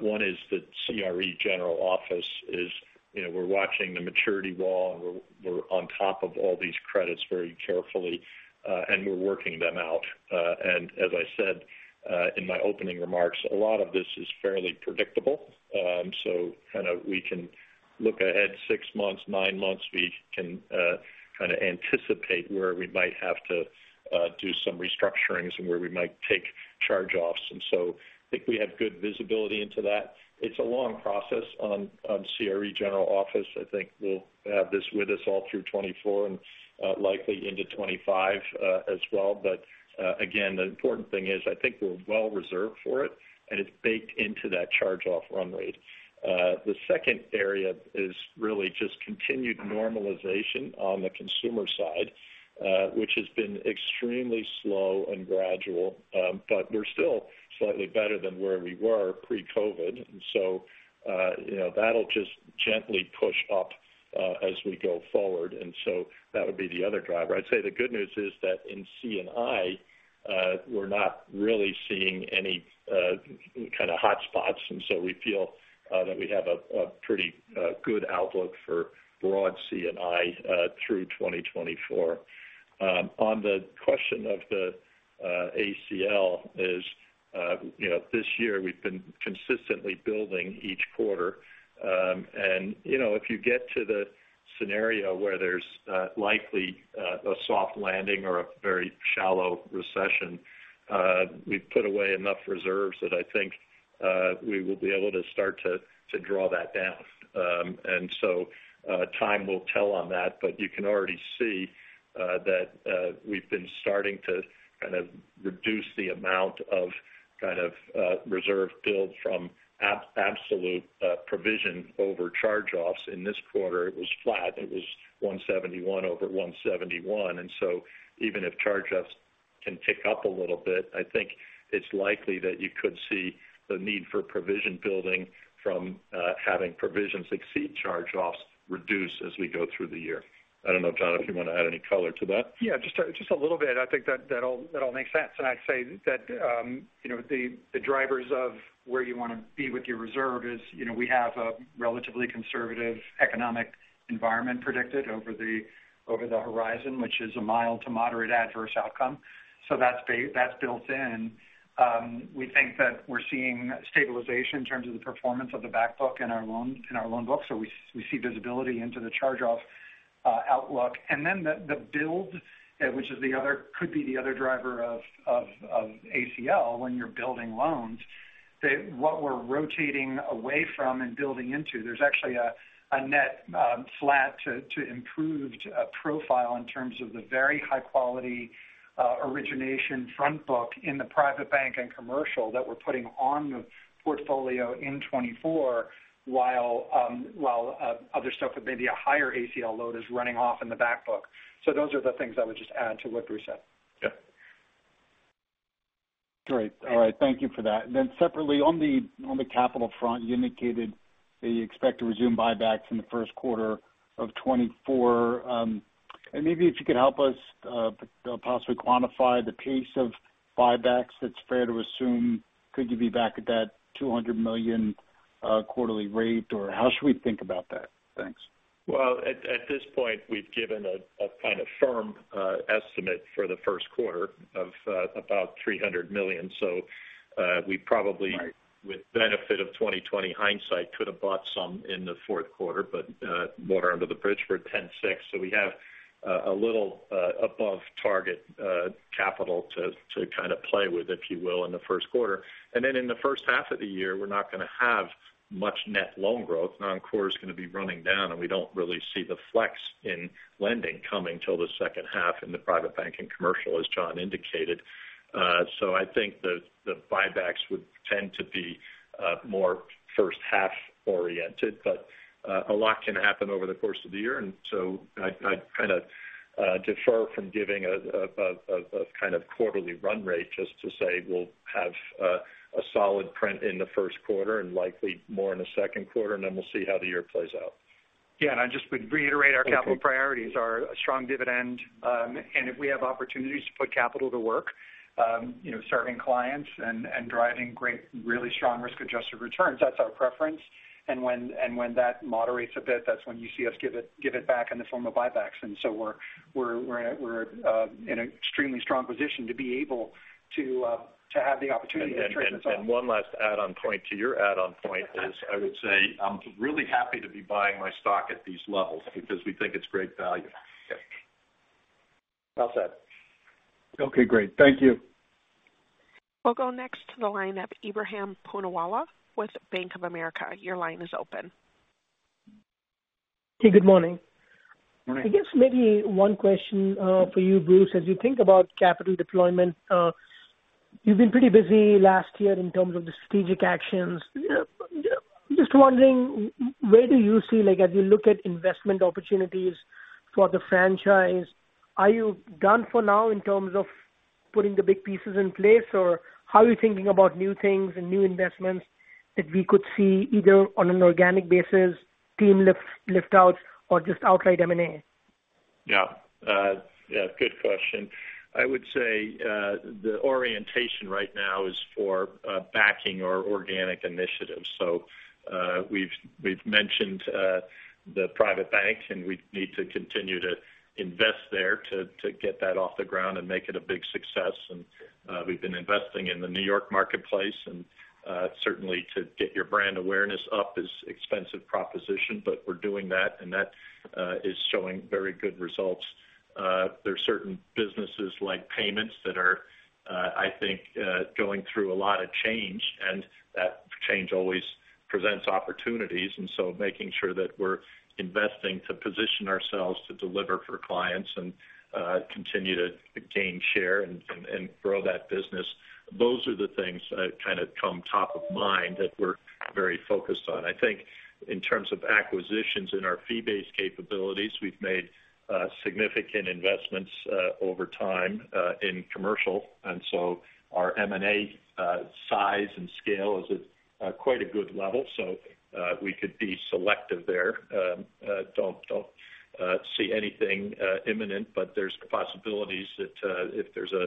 One is the CRE general office is, you know, we're watching the maturity wall, and we're on top of all these credits very carefully, and we're working them out. And as I said in my opening remarks, a lot of this is fairly predictable. So kind of we can look ahead six months, nine months. We can kind of anticipate where we might have to do some restructurings and where we might take charge-offs. And so I think we have good visibility into that. It's a long process on CRE general office. I think we'll have this with us all through 2024 and likely into 2025 as well. But again, the important thing is, I think we're well reserved for it, and it's baked into that charge-off run rate. The second area is really just continued normalization on the consumer side, which has been extremely slow and gradual. But we're still slightly better than where we were pre-COVID. And so, you know, that'll just gently push up as we go forward, and so that would be the other driver. I'd say the good news is that in C&I, we're not really seeing any kind of hotspots, and so we feel that we have a pretty good outlook for broad C&I through 2024. On the question of the ACL, you know, this year we've been consistently building each quarter. And, you know, if you get to the scenario where there's likely a soft landing or a very shallow recession, we've put away enough reserves that I think we will be able to start to draw that down. And so, time will tell on that, but you can already see that we've been starting to kind of reduce the amount of kind of reserve build from absolute provision over charge-offs. In this quarter, it was flat. It was 171/171, and so even if charge-offs can tick up a little bit, I think it's likely that you could see the need for provision building from having provisions exceed charge-offs reduce as we go through the year. I don't know, John, if you want to add any color to that? Yeah, just a little bit. I think that all makes sense. And I'd say that, you know, the drivers of where you wanna be with your reserve is, you know, we have a relatively conservative economic environment predicted over the horizon, which is a mild to moderate adverse outcome. So that's built in. We think that we're seeing stabilization in terms of the performance of the back book in our loan book, so we see visibility into the charge-off outlook. And then the build, which is the other—could be the other driver of ACL when you're building loans, that what we're rotating away from and building into, there's actually a net flat to improved profile in terms of the very high quality origination front book in the private bank and commercial that we're putting on the portfolio in 2024, while while other stuff with maybe a higher ACL load is running off in the back book. So those are the things I would just add to what Bruce said. Yeah. Great. All right, thank you for that. Then separately, on the capital front, you indicated that you expect to resume buybacks in the first quarter of 2024. And maybe if you could help us, possibly quantify the pace of buybacks that's fair to assume, could you be back at that $200 million quarterly rate, or how should we think about that? Thanks. Well, at this point, we've given a kind of firm estimate for the first quarter of about $300 million. So, we probably with benefit of 2020 hindsight, could have bought some in the fourth quarter, but, water under the bridge for 2016. So we have, a little, above target, capital to, to kind of play with, if you will, in the first quarter. And then in the first half of the year, we're not gonna have much net loan growth. Noncore is gonna be running down, and we don't really see the flex in lending coming till the second half in the private banking commercial, as John indicated. So I think the, the buybacks would tend to be, more first half oriented, but, a lot can happen over the course of the year. And so I'd kind of defer from giving a kind of quarterly run rate, just to say we'll have a solid print in the first quarter and likely more in the second quarter, and then we'll see how the year plays out. Yeah, and I just would reiterate our capital priorities are a strong dividend, and if we have opportunities to put capital to work, you know, serving clients and, and driving great, really strong risk-adjusted returns, that's our preference. And when that moderates a bit, that's when you see us give it back in the form of buybacks. And so we're in an extremely strong position to be able to have the opportunity to turn this off. One last add-on point to your add-on point is, I would say, I'm really happy to be buying my stock at these levels because we think it's great value. Yeah. Well said. Okay, great. Thank you. We'll go next to the line of Ebrahim Poonawala with Bank of America. Your line is open. Hey, good morning. Good morning. I guess maybe one question for you, Bruce. As you think about capital deployment, you've been pretty busy last year in terms of the strategic actions. Just wondering, where do you see, like, as you look at investment opportunities for the franchise, are you done for now in terms of putting the big pieces in place, or how are you thinking about new things and new investments that we could see, either on an organic basis, team lift, lift out, or just outright M&A? Yeah, good question. I would say the orientation right now is for backing our organic initiatives. So, we've mentioned the private bank, and we need to continue to invest there to get that off the ground and make it a big success. And, we've been investing in the New York marketplace, and certainly to get your brand awareness up is expensive proposition, but we're doing that, and that is showing very good results. There are certain businesses like payments that are, I think, going through a lot of change, and that change always presents opportunities. And so making sure that we're investing to position ourselves to deliver for clients and continue to gain share and, and, and grow that business, those are the things that kind of come top of mind that we're very focused on. I think in terms of acquisitions in our fee-based capabilities, we've made significant investments over time in commercial, and so our M&A size and scale is at quite a good level, so we could be selective there. Don't, don't see anything imminent, but there's possibilities that if there's a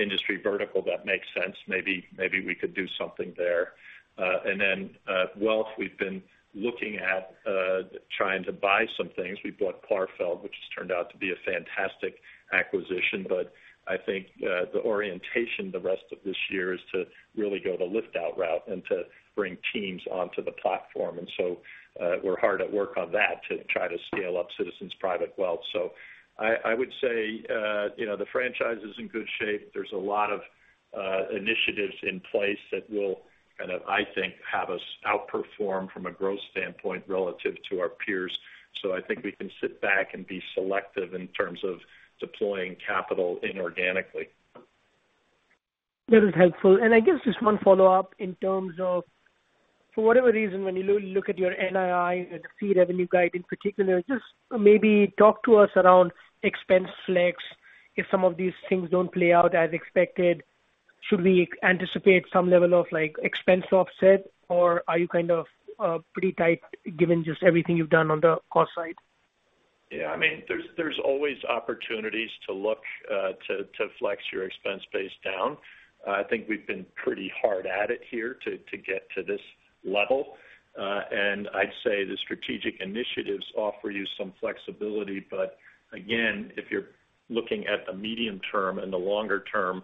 industry vertical that makes sense, maybe, maybe we could do something there. And then, wealth, we've been looking at trying to buy some things. We bought Clarfeld, which has turned out to be a fantastic acquisition, but I think the orientation the rest of this year is to really go the lift-out route and to bring teams onto the platform. And so, we're hard at work on that to try to scale up Citizens Private Wealth. So I would say, you know, the franchise is in good shape. There's a lot of initiatives in place that will kind of, I think, have us outperform from a growth standpoint relative to our peers. So I think we can sit back and be selective in terms of deploying capital inorganically. That is helpful. And I guess just one follow-up in terms of, for whatever reason, when you look at your NII and the fee revenue guide in particular, just maybe talk to us around expense flex. If some of these things don't play out as expected, should we anticipate some level of, like, expense offset, or are you kind of pretty tight given just everything you've done on the cost side? Yeah, I mean, there's always opportunities to look to flex your expense base down. I think we've been pretty hard at it here to get to this level. And I'd say the strategic initiatives offer you some flexibility, but again, if you're looking at the medium term and the longer term,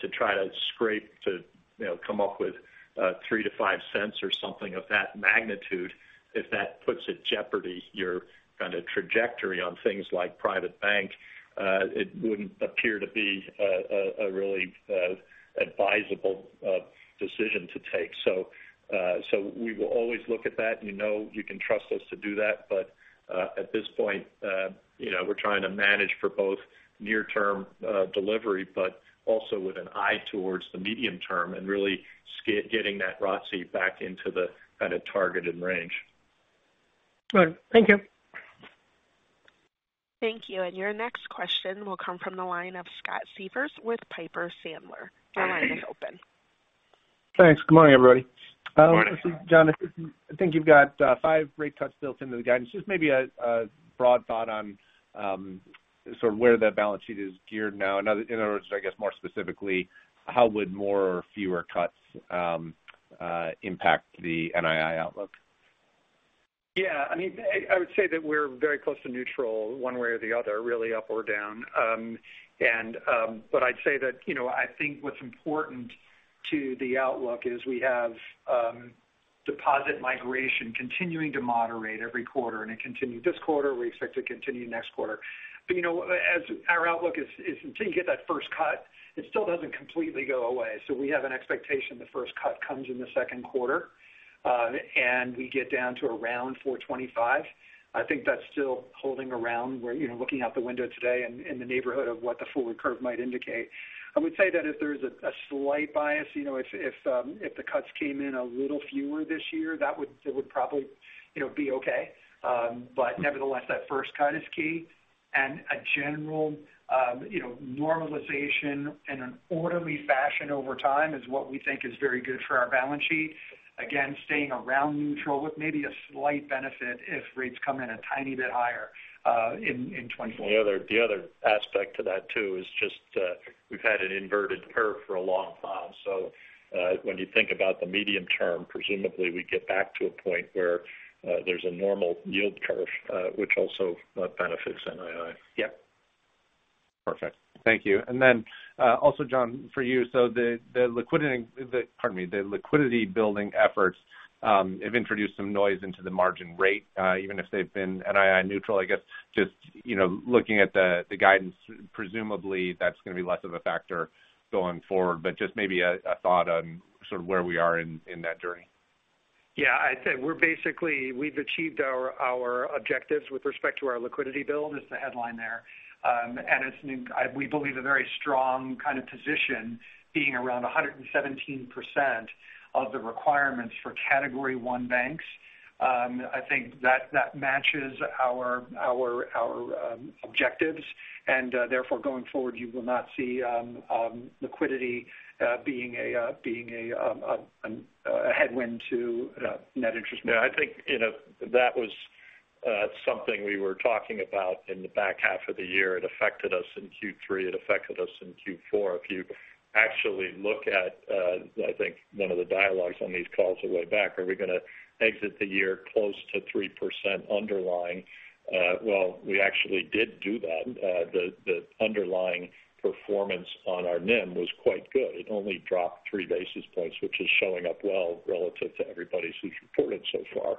to try to scrape to, you know, come up with $0.03-$0.05 or something of that magnitude, if that puts at jeopardy your kind of trajectory on things like private bank, it wouldn't appear to be a really advisable decision to take. So we will always look at that, and you know you can trust us to do that, but at this point, you know, we're trying to manage for both near-term delivery, but also with an eye towards the medium term and really getting that ROTCE back into the kind of targeted range. All right. Thank you. Thank you. And your next question will come from the line of Scott Siefers with Piper Sandler. Your line is open. Thanks. Good morning, everybody. Good morning. John, I think you've got five rate cuts built into the guidance. Just maybe a broad thought on sort of where that balance sheet is geared now. In other words, I guess more specifically, how would more or fewer cuts impact the NII outlook? Yeah, I mean, I would say that we're very close to neutral one way or the other, really up or down. But I'd say that, you know, I think what's important to the outlook is we have deposit migration continuing to moderate every quarter, and it continued this quarter. We expect to continue next quarter. But, you know, as our outlook is until you get that first cut, it still doesn't completely go away. So we have an expectation the first cut comes in the second quarter, and we get down to around 4.25. I think that's still holding around where, you know, looking out the window today and in the neighborhood of what the forward curve might indicate. I would say that if there is a slight bias, you know, if the cuts came in a little fewer this year, that would. It would probably, you know, be okay. But nevertheless, that first cut is key. And a general, you know, normalization in an orderly fashion over time is what we think is very good for our balance sheet. Again, staying around neutral with maybe a slight benefit if rates come in a tiny bit higher, in 2024. The other, the other aspect to that, too, is just, we've had an inverted curve for a long time. So, when you think about the medium term, presumably we get back to a point where there's a normal yield curve, which also benefits NII. Yeah. Perfect. Thank you. And then, also, John, for you. So the liquidity, pardon me, the liquidity building efforts have introduced some noise into the margin rate, even if they've been NII neutral. I guess just, you know, looking at the guidance, presumably that's going to be less of a factor going forward, but just maybe a thought on sort of where we are in that journey. Yeah, I'd say we're basically we've achieved our objectives with respect to our liquidity build. It's the headline there. And it's, we believe, a very strong kind of position, being around 117% of the requirements for Category I banks. I think that matches our objectives, and therefore, going forward, you will not see liquidity being a headwind to net interest. Yeah, I think, you know, that was something we were talking about in the back half of the year. It affected us in Q3. It affected us in Q4. If you actually look at, I think one of the dialogues on these calls are way back, are we going to exit the year close to 3% underlying? Well, we actually did do that. The underlying performance on our NIM was quite good. It only dropped 3 basis points, which is showing up well relative to everybody's who's reported so far.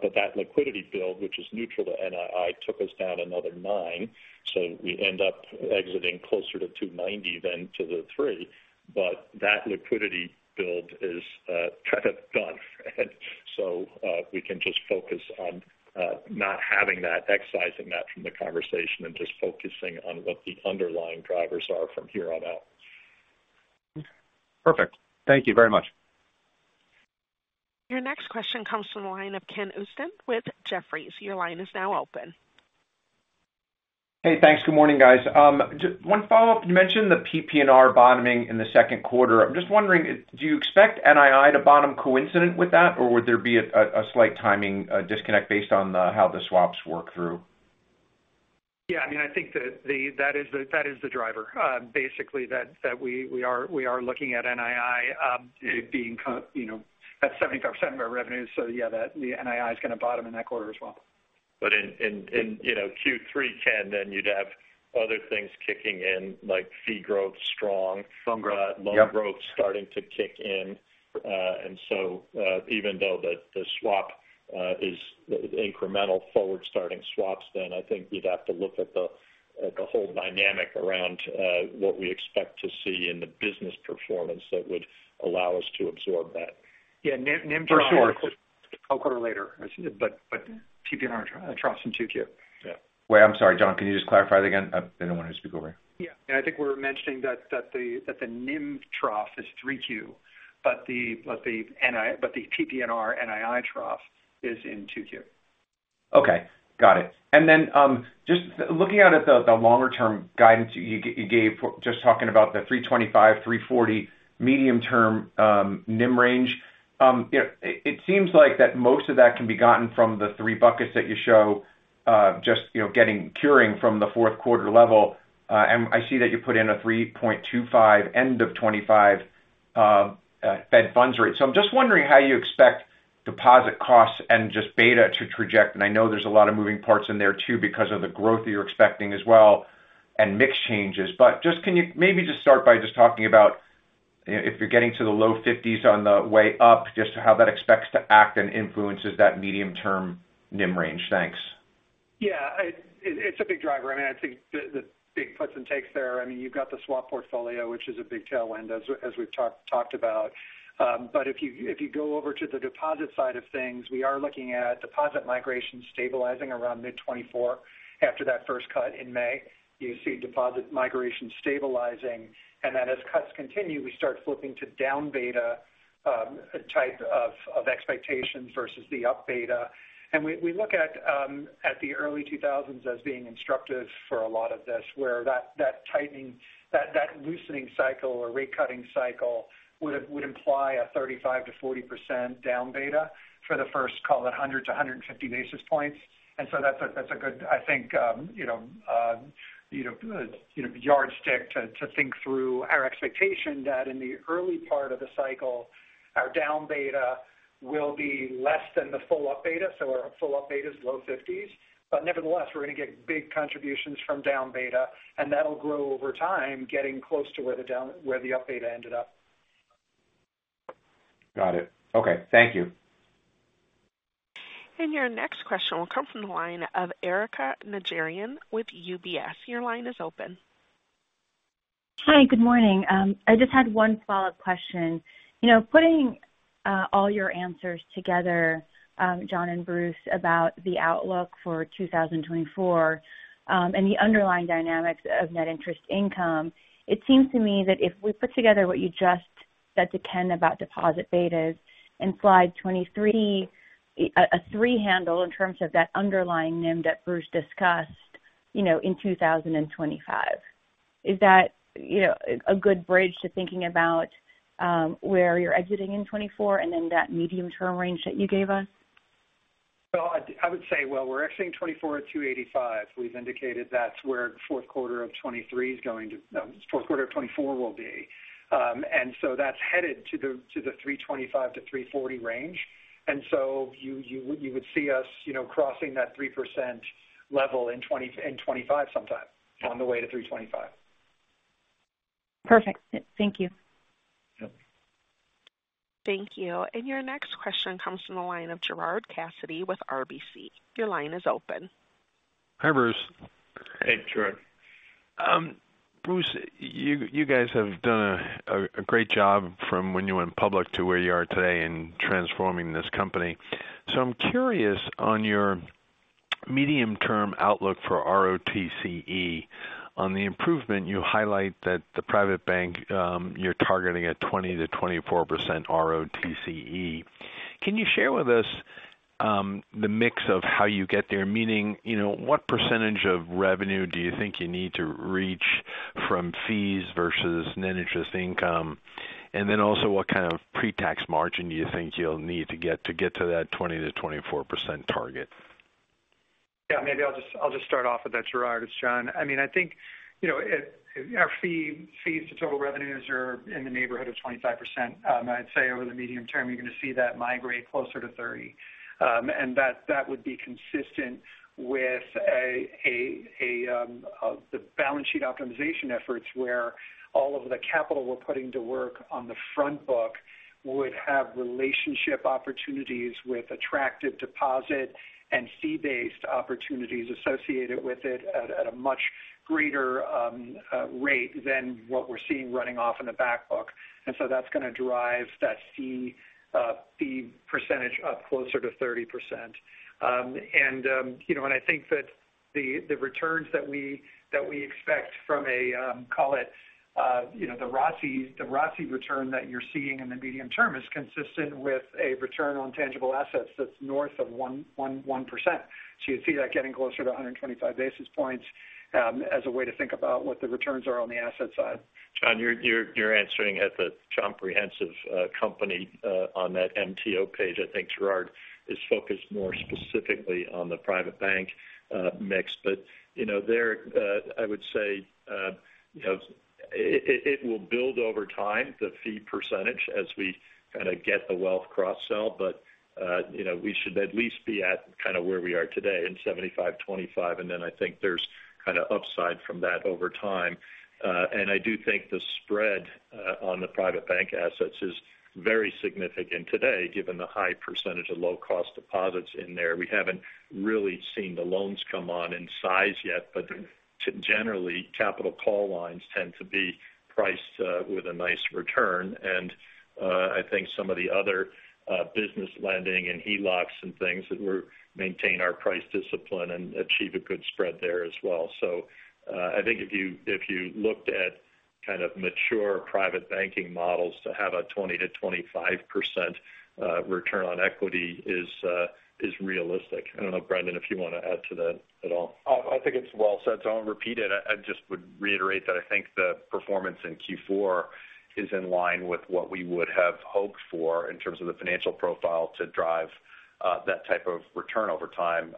But that liquidity build, which is neutral to NII, took us down another 9, so we end up exiting closer to 2.90% than to the 3%. But that liquidity build is kind of done. We can just focus on not having that, excising that from the conversation and just focusing on what the underlying drivers are from here on out. Perfect. Thank you very much. Your next question comes from the line of Ken Usdin with Jefferies. Your line is now open. Hey, thanks. Good morning, guys. Just one follow-up. You mentioned the PPNR bottoming in the second quarter. I'm just wondering, do you expect NII to bottom coincident with that, or would there be a slight timing disconnect based on how the swaps work through? Yeah, I mean, I think that that is the driver, basically, that we are looking at NII, it being kind of, you know, at 70% of our revenue. So yeah, the NII is going to bottom in that quarter as well. But in, you know, Q3, Ken, then you'd have other things kicking in, like fee growth, strong... Strong growth. Yep. Loan growth starting to kick in. And so, even though the swap is incremental forward starting swaps, then I think you'd have to look at the whole dynamic around what we expect to see in the business performance that would allow us to absorb that. Yeah, NIM for sure, a quarter later, I see, but, but PPNR troughs in 2Q. Yeah. Wait, I'm sorry, John, can you just clarify that again? I didn't want to speak over you. Yeah, and I think we're mentioning that the NIM trough is 3Q, but the PPNR NII trough is in 2Q. Okay, got it. And then, just looking out at the longer-term guidance you gave, just talking about the 3.25-3.40 medium-term NIM range. It seems like that most of that can be gotten from the three buckets that you show, just, you know, accruing from the fourth quarter level. And I see that you put in a 3.25 end of 2025 Fed funds rate. So I'm just wondering how you expect deposit costs and just beta to trajectory. And I know there's a lot of moving parts in there too, because of the growth that you're expecting as well and mix changes. Just, can you maybe just start by just talking about if you're getting to the low 50s on the way up, just how that expects to act and influences that medium-term NIM range? Thanks. Yeah, it's a big driver. I mean, I think the big puts and takes there, I mean, you've got the swap portfolio, which is a big tailwind as we've talked about. But if you go over to the deposit side of things, we are looking at deposit migration stabilizing around mid-2024. After that first cut in May, you see deposit migration stabilizing, and then as cuts continue, we start flipping to down beta type of expectations versus the up beta. And we look at the early 2000s as being instructive for a lot of this, where that tightening, that loosening cycle or rate cutting cycle would imply a 35%-40% down beta for the first, call it 100-150 basis points. And so that's a good, I think, you know, yardstick to think through our expectation that in the early part of the cycle, our down beta will be less than the full up beta. So our full up beta is low 50s, but nevertheless, we're going to get big contributions from down beta, and that'll grow over time, getting close to where the down, where the up beta ended up. Got it. Okay. Thank you. Your next question will come from the line of Erika Najarian with UBS. Your line is open. Hi, good morning. I just had one follow-up question. You know, putting all your answers together, John and Bruce, about the outlook for 2024 and the underlying dynamics of net interest income, it seems to me that if we put together what you just said to Ken about deposit betas in Slide 23, a three handle in terms of that underlying NIM that Bruce discussed, you know, in 2025. Is that, you know, a good bridge to thinking about where you're exiting in 2024 and then that medium-term range that you gave us? I would say, well, we're exiting 2024 at 2.85%. We've indicated that's where the fourth quarter of 2023 is going to—no, fourth quarter of 2024 will be. And so that's headed to the, to the 3.25%-3.40% range. And so you, you would, you would see us, you know, crossing that 3% level in twenty—in 2025 sometime on the way to 3.25%. Perfect. Thank you. Yep. Thank you. Your next question comes from the line of Gerard Cassidy with RBC. Your line is open. Hi, Bruce. Hey, Gerard. Bruce, you guys have done a great job from when you went public to where you are today in transforming this company. So I'm curious on your medium-term outlook for ROTCE. On the improvement, you highlight that the private bank, you're targeting at 20%-24% ROTCE. Can you share with us the mix of how you get there? Meaning, you know, what percentage of revenue do you think you need to reach from fees versus net interest income? And then also, what kind of pre-tax margin do you think you'll need to get to that 20%-24% target? Yeah, maybe I'll just start off with that, Gerard. It's John. I mean, I think, you know, it's our fees to total revenues are in the neighborhood of 25%. I'd say over the medium term, you're going to see that migrate closer to 30%. And that would be consistent with the balance sheet optimization efforts, where all of the capital we're putting to work on the front book would have relationship opportunities with attractive deposit and fee-based opportunities associated with it at a much greater rate than what we're seeing running off in the back book. And so that's going to drive that fee percentage up closer to 30%. And you know, and I think that the returns that we expect from a, call it, you know, the ROTCE, the ROTCE return that you're seeing in the medium term is consistent with a return on tangible assets that's north of 1.11%. So you'd see that getting closer to 125 basis points, as a way to think about what the returns are on the asset side. John, you're answering at the comprehensive, company, on that MTO page. I think Gerard is focused more specifically on the private bank, mix. But you know, there, I would say, you know, it will build over time, the fee percentage, as we kind of get the wealth cross-sell. But, you know, we should at least be at kind of where we are today, in 75-25, and then I think there's kind of upside from that over time. And I do think the spread on the private bank assets is very significant today, given the high percentage of low-cost deposits in there. We haven't really seen the loans come on in size yet, but generally, capital call lines tend to be priced with a nice return. And I think some of the other business lending and HELOCs and things that we're- maintain our price discipline and achieve a good spread there as well. So, I think if you, if you looked at kind of mature private banking models to have a 20%-25% return on equity is realistic. I don't know, Brendan, if you want to add to that at all. Oh, I think it's well said, so I won't repeat it. I just would reiterate that I think the performance in Q4 is in line with what we would have hoped for in terms of the financial profile to drive that type of return over time.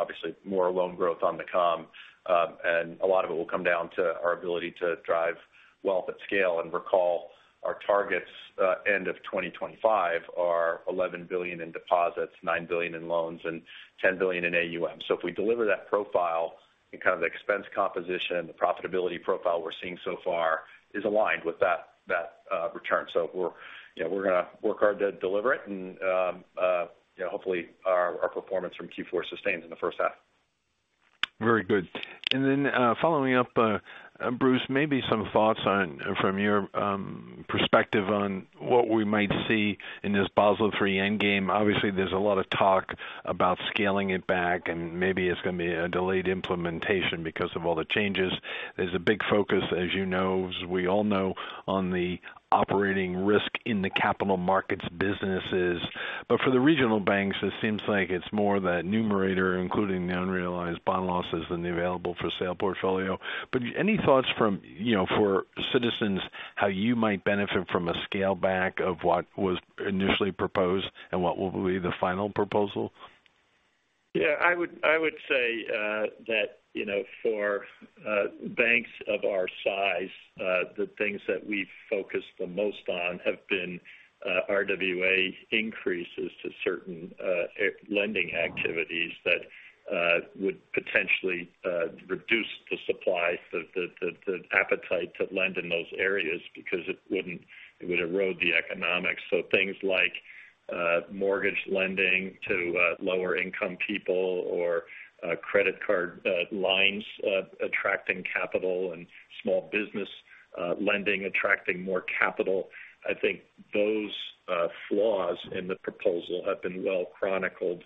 Obviously, more loan growth on the come, and a lot of it will come down to our ability to drive wealth at scale. And recall, our targets end of 2025 are $11 billion in deposits, $9 billion in loans, and $10 billion in AUM. So if we deliver that profile and kind of the expense composition and the profitability profile we're seeing so far is aligned with that, that return. So we're, you know, we're gonna work hard to deliver it, and, you know, hopefully our performance from Q4 sustains in the first half. Very good. And then, following up, Bruce, maybe some thoughts on, from your, perspective on what we might see in this Basel III Endgame. Obviously, there's a lot of talk about scaling it back, and maybe it's gonna be a delayed implementation because of all the changes. There's a big focus, as you know, as we all know, on the operating risk in the capital markets businesses. But for the regional banks, it seems like it's more the numerator, including the unrealized bond losses than the available for sale portfolio. But any thoughts from, you know, for Citizens, how you might benefit from a scale back of what was initially proposed and what will be the final proposal? Yeah, I would say that, you know, for banks of our size, the things that we've focused the most on have been RWA increases to certain lending activities that would potentially reduce the supply, the appetite to lend in those areas because it wouldn't, it would erode the economics. So things like mortgage lending to lower income people or credit card lines attracting capital and small business lending attracting more capital. I think those flaws in the proposal have been well chronicled.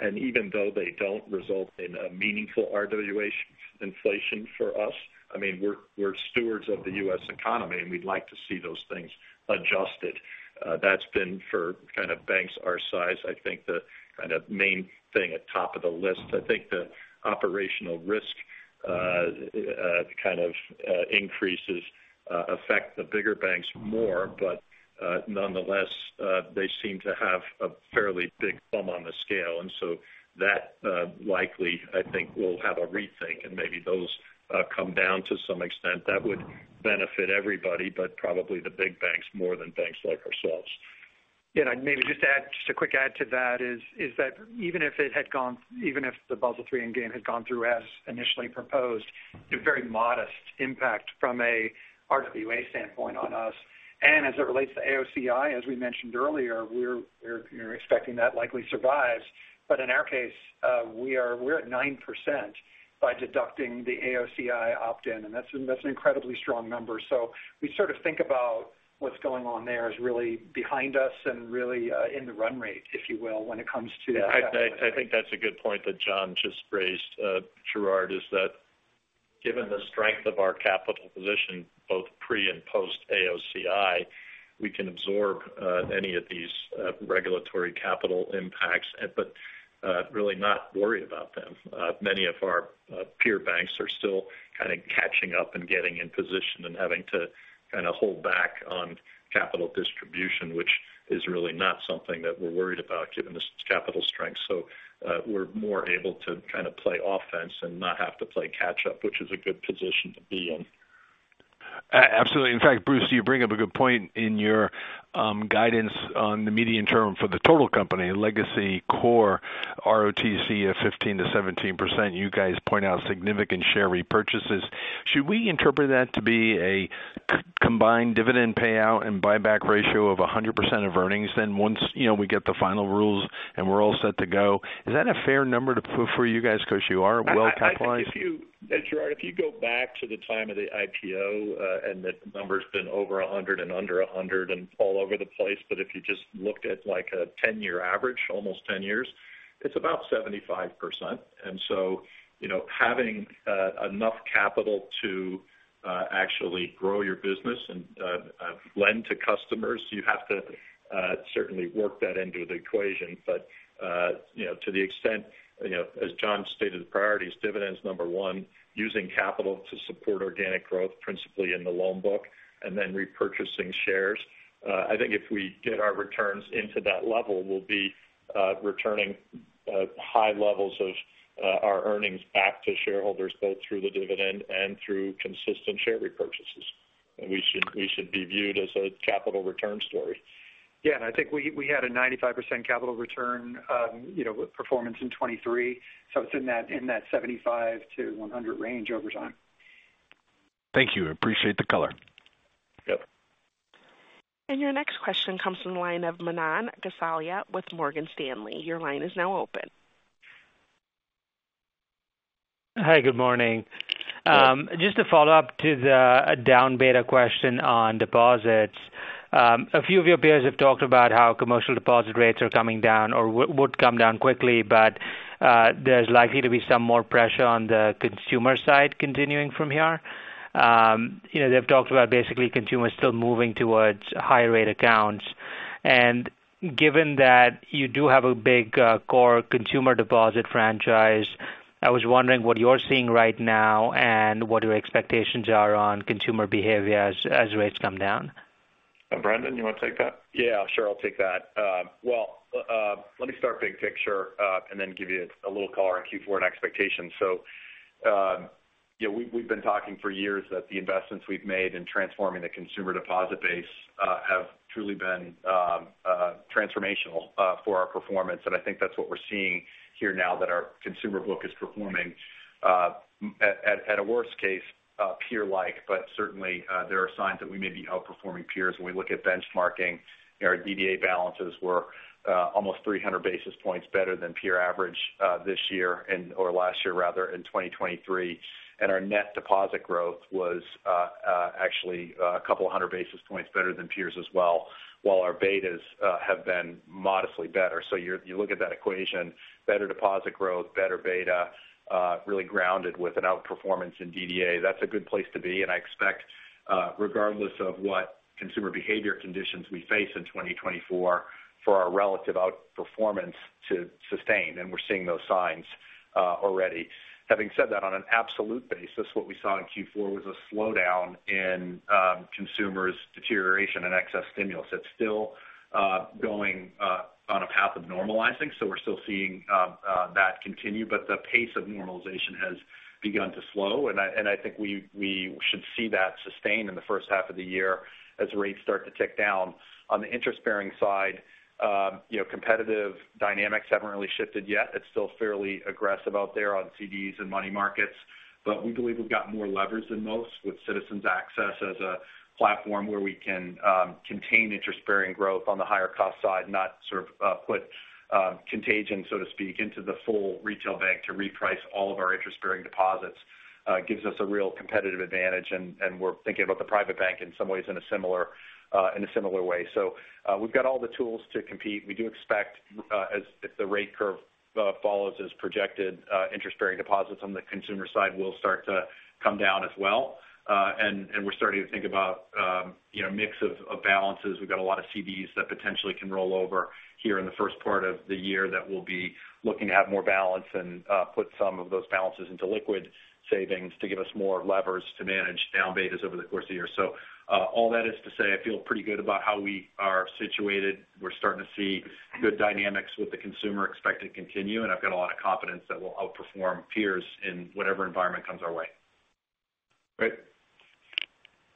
And even though they don't result in a meaningful RWA inflation for us, I mean, we're stewards of the U.S. economy, and we'd like to see those things adjusted. That's been for kind of banks our size, I think, the kind of main thing at top of the list. I think the operational risk, kind of, increases affect the bigger banks more, but, nonetheless, they seem to have a fairly big thumb on the scale, and so that, likely, I think, will have a rethink, and maybe those, come down to some extent. That would benefit everybody, but probably the big banks more than banks like ourselves. Yeah, and maybe just to add, just a quick add to that is that even if it had gone—even if the Basel III Endgame had gone through as initially proposed, a very modest impact from a RWA standpoint on us. And as it relates to AOCI, as we mentioned earlier, we're, you know, expecting that likely survives. But in our case, we're at 9% by deducting the AOCI opt-in, and that's an incredibly strong number. So we sort of think about what's going on there as really behind us and really in the run rate, if you will, when it comes to that. I think that's a good point that John just raised, Gerard, is that given the strength of our capital position, both pre and post AOCI, we can absorb any of these regulatory capital impacts, but really not worry about them. Many of our peer banks are still kind of catching up and getting in position and having to kind of hold back on capital distribution, which is really not something that we're worried about given the capital strength. So, we're more able to kind of play offense and not have to play catch up, which is a good position to be in. Absolutely. In fact, Bruce, you bring up a good point in your guidance on the medium term for the total company, legacy core ROTC of 15%-17%. You guys point out significant share repurchases. Should we interpret that to be a combined dividend payout and buyback ratio of 100% of earnings then once, you know, we get the final rules and we're all set to go? Is that a fair number to put for you guys because you are well capitalized? I think if you Gerard, if you go back to the time of the IPO, and the number's been over 100 and under 100 and all over the place, but if you just looked at like a 10-year average, almost 10 years, it's about 75%. And so, you know, having enough capital to actually grow your business and lend to customers, you have to certainly work that into the equation. But, you know, to the extent, you know, as John stated, the priority is dividends, number one, using capital to support organic growth, principally in the loan book, and then repurchasing shares. I think if we get our returns into that level, we'll be returning high levels of our earnings back to shareholders, both through the dividend and through consistent share repurchases. We should, we should be viewed as a capital return story. Yeah, and I think we had a 95% capital return, you know, with performance in 2023, so it's in that 75%-100% range over time. Thank you. Appreciate the color. Yep. Your next question comes from the line of Manan Gosalia with Morgan Stanley. Your line is now open. Hi, good morning. Just to follow up to the down beta question on deposits. A few of your peers have talked about how commercial deposit rates are coming down or would come down quickly, but there's likely to be some more pressure on the consumer side continuing from here. You know, they've talked about basically consumers still moving towards higher rate accounts. Given that you do have a big core consumer deposit franchise, I was wondering what you're seeing right now and what your expectations are on consumer behavior as rates come down. Brendan, you want to take that? Yeah, sure. I'll take that. Well, let me start big picture, and then give you a little color on Q4 and expectations. So, yeah, we've been talking for years that the investments we've made in transforming the consumer deposit base have truly been transformational for our performance. And I think that's what we're seeing here now, that our consumer book is performing at a worst case peer-like. But certainly, there are signs that we may be outperforming peers. When we look at benchmarking, our DDA balances were almost 300 basis points better than peer average this year and- or last year, rather, in 2023. And our net deposit growth was actually a couple of hundred basis points better than peers as well, while our betas have been modestly better. So you look at that equation, better deposit growth, better beta, really grounded with an outperformance in DDA. That's a good place to be, and I expect, regardless of what consumer behavior conditions we face in 2024, for our relative outperformance to sustain, and we're seeing those signs, already. Having said that, on an absolute basis, what we saw in Q4 was a slowdown in consumers' deterioration and excess stimulus. It's still going on a path of normalizing, so we're still seeing that continue, but the pace of normalization has begun to slow, and I think we should see that sustained in the first half of the year as rates start to tick down. On the interest-bearing side, you know, competitive dynamics haven't really shifted yet. It's still fairly aggressive out there on CDs and money markets, but we believe we've got more levers than most with Citizens Access as a platform where we can contain interest-bearing growth on the higher cost side, not sort of put contagion, so to speak, into the full retail bank to reprice all of our interest-bearing deposits. This gives us a real competitive advantage, and we're thinking about the private bank in some ways in a similar way. So, we've got all the tools to compete. We do expect, as if the rate curve follows as projected, interest-bearing deposits on the consumer side will start to come down as well. And we're starting to think about, you know, mix of balances. We've got a lot of CDs that potentially can roll over here in the first part of the year that will be looking to add more balance and, put some of those balances into liquid savings to give us more levers to manage down betas over the course of the year. So, all that is to say, I feel pretty good about how we are situated. We're starting to see good dynamics with the consumer expect to continue, and I've got a lot of confidence that we'll outperform peers in whatever environment comes our way. Brett?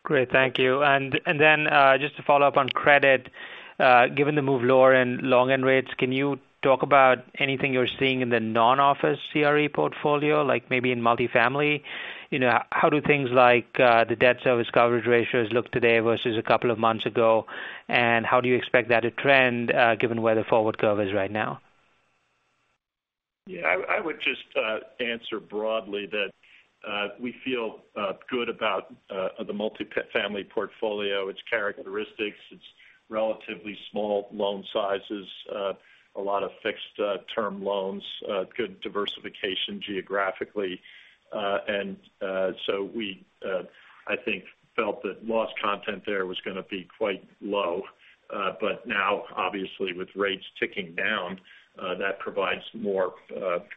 Great, thank you. And, and then, just to follow up on credit, given the move lower in long end rates, can you talk about anything you're seeing in the non-office CRE portfolio, like maybe in multifamily? You know, how do things like, the debt service coverage ratios look today versus a couple of months ago? And how do you expect that to trend, given where the forward curve is right now? Yeah, I would just answer broadly that we feel good about the multifamily portfolio, its characteristics. It's relatively small loan sizes, a lot of fixed term loans, good diversification geographically. And so we, I think, felt that loss content there was gonna be quite low. But now, obviously, with rates ticking down, that provides more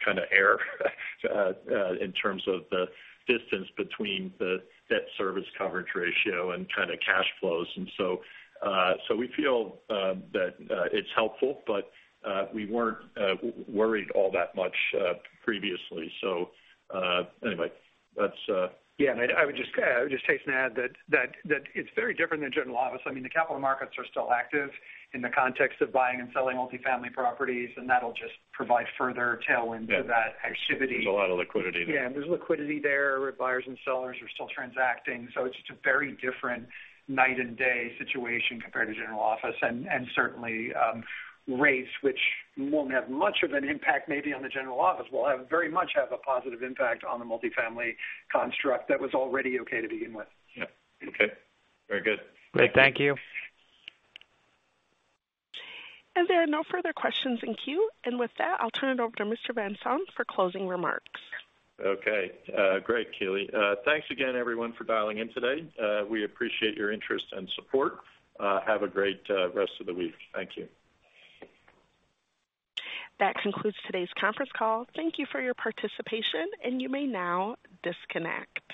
kind of air in terms of the distance between the debt service coverage ratio and kind of cash flows. And so we feel that it's helpful, but we weren't worried all that much previously. So anyway, that's- Yeah, and I would just hasten to add that it's very different than general office. I mean, the capital markets are still active in the context of buying and selling multifamily properties, and that'll just provide further tailwind to that activity. There's a lot of liquidity there. Yeah, there's liquidity there, where buyers and sellers are still transacting. So it's just a very different night and day situation compared to general office. And certainly, rates which won't have much of an impact maybe on the general office, will very much have a positive impact on the multifamily construct that was already okay to begin with. Yeah. Okay. Very good. Great. Thank you. There are no further questions in queue. With that, I'll turn it over to Mr. Van Saun for closing remarks. Okay. Great, Keely. Thanks again everyone for dialing in today. We appreciate your interest and support. Have a great rest of the week. Thank you. That concludes today's conference call. Thank you for your participation, and you may now disconnect.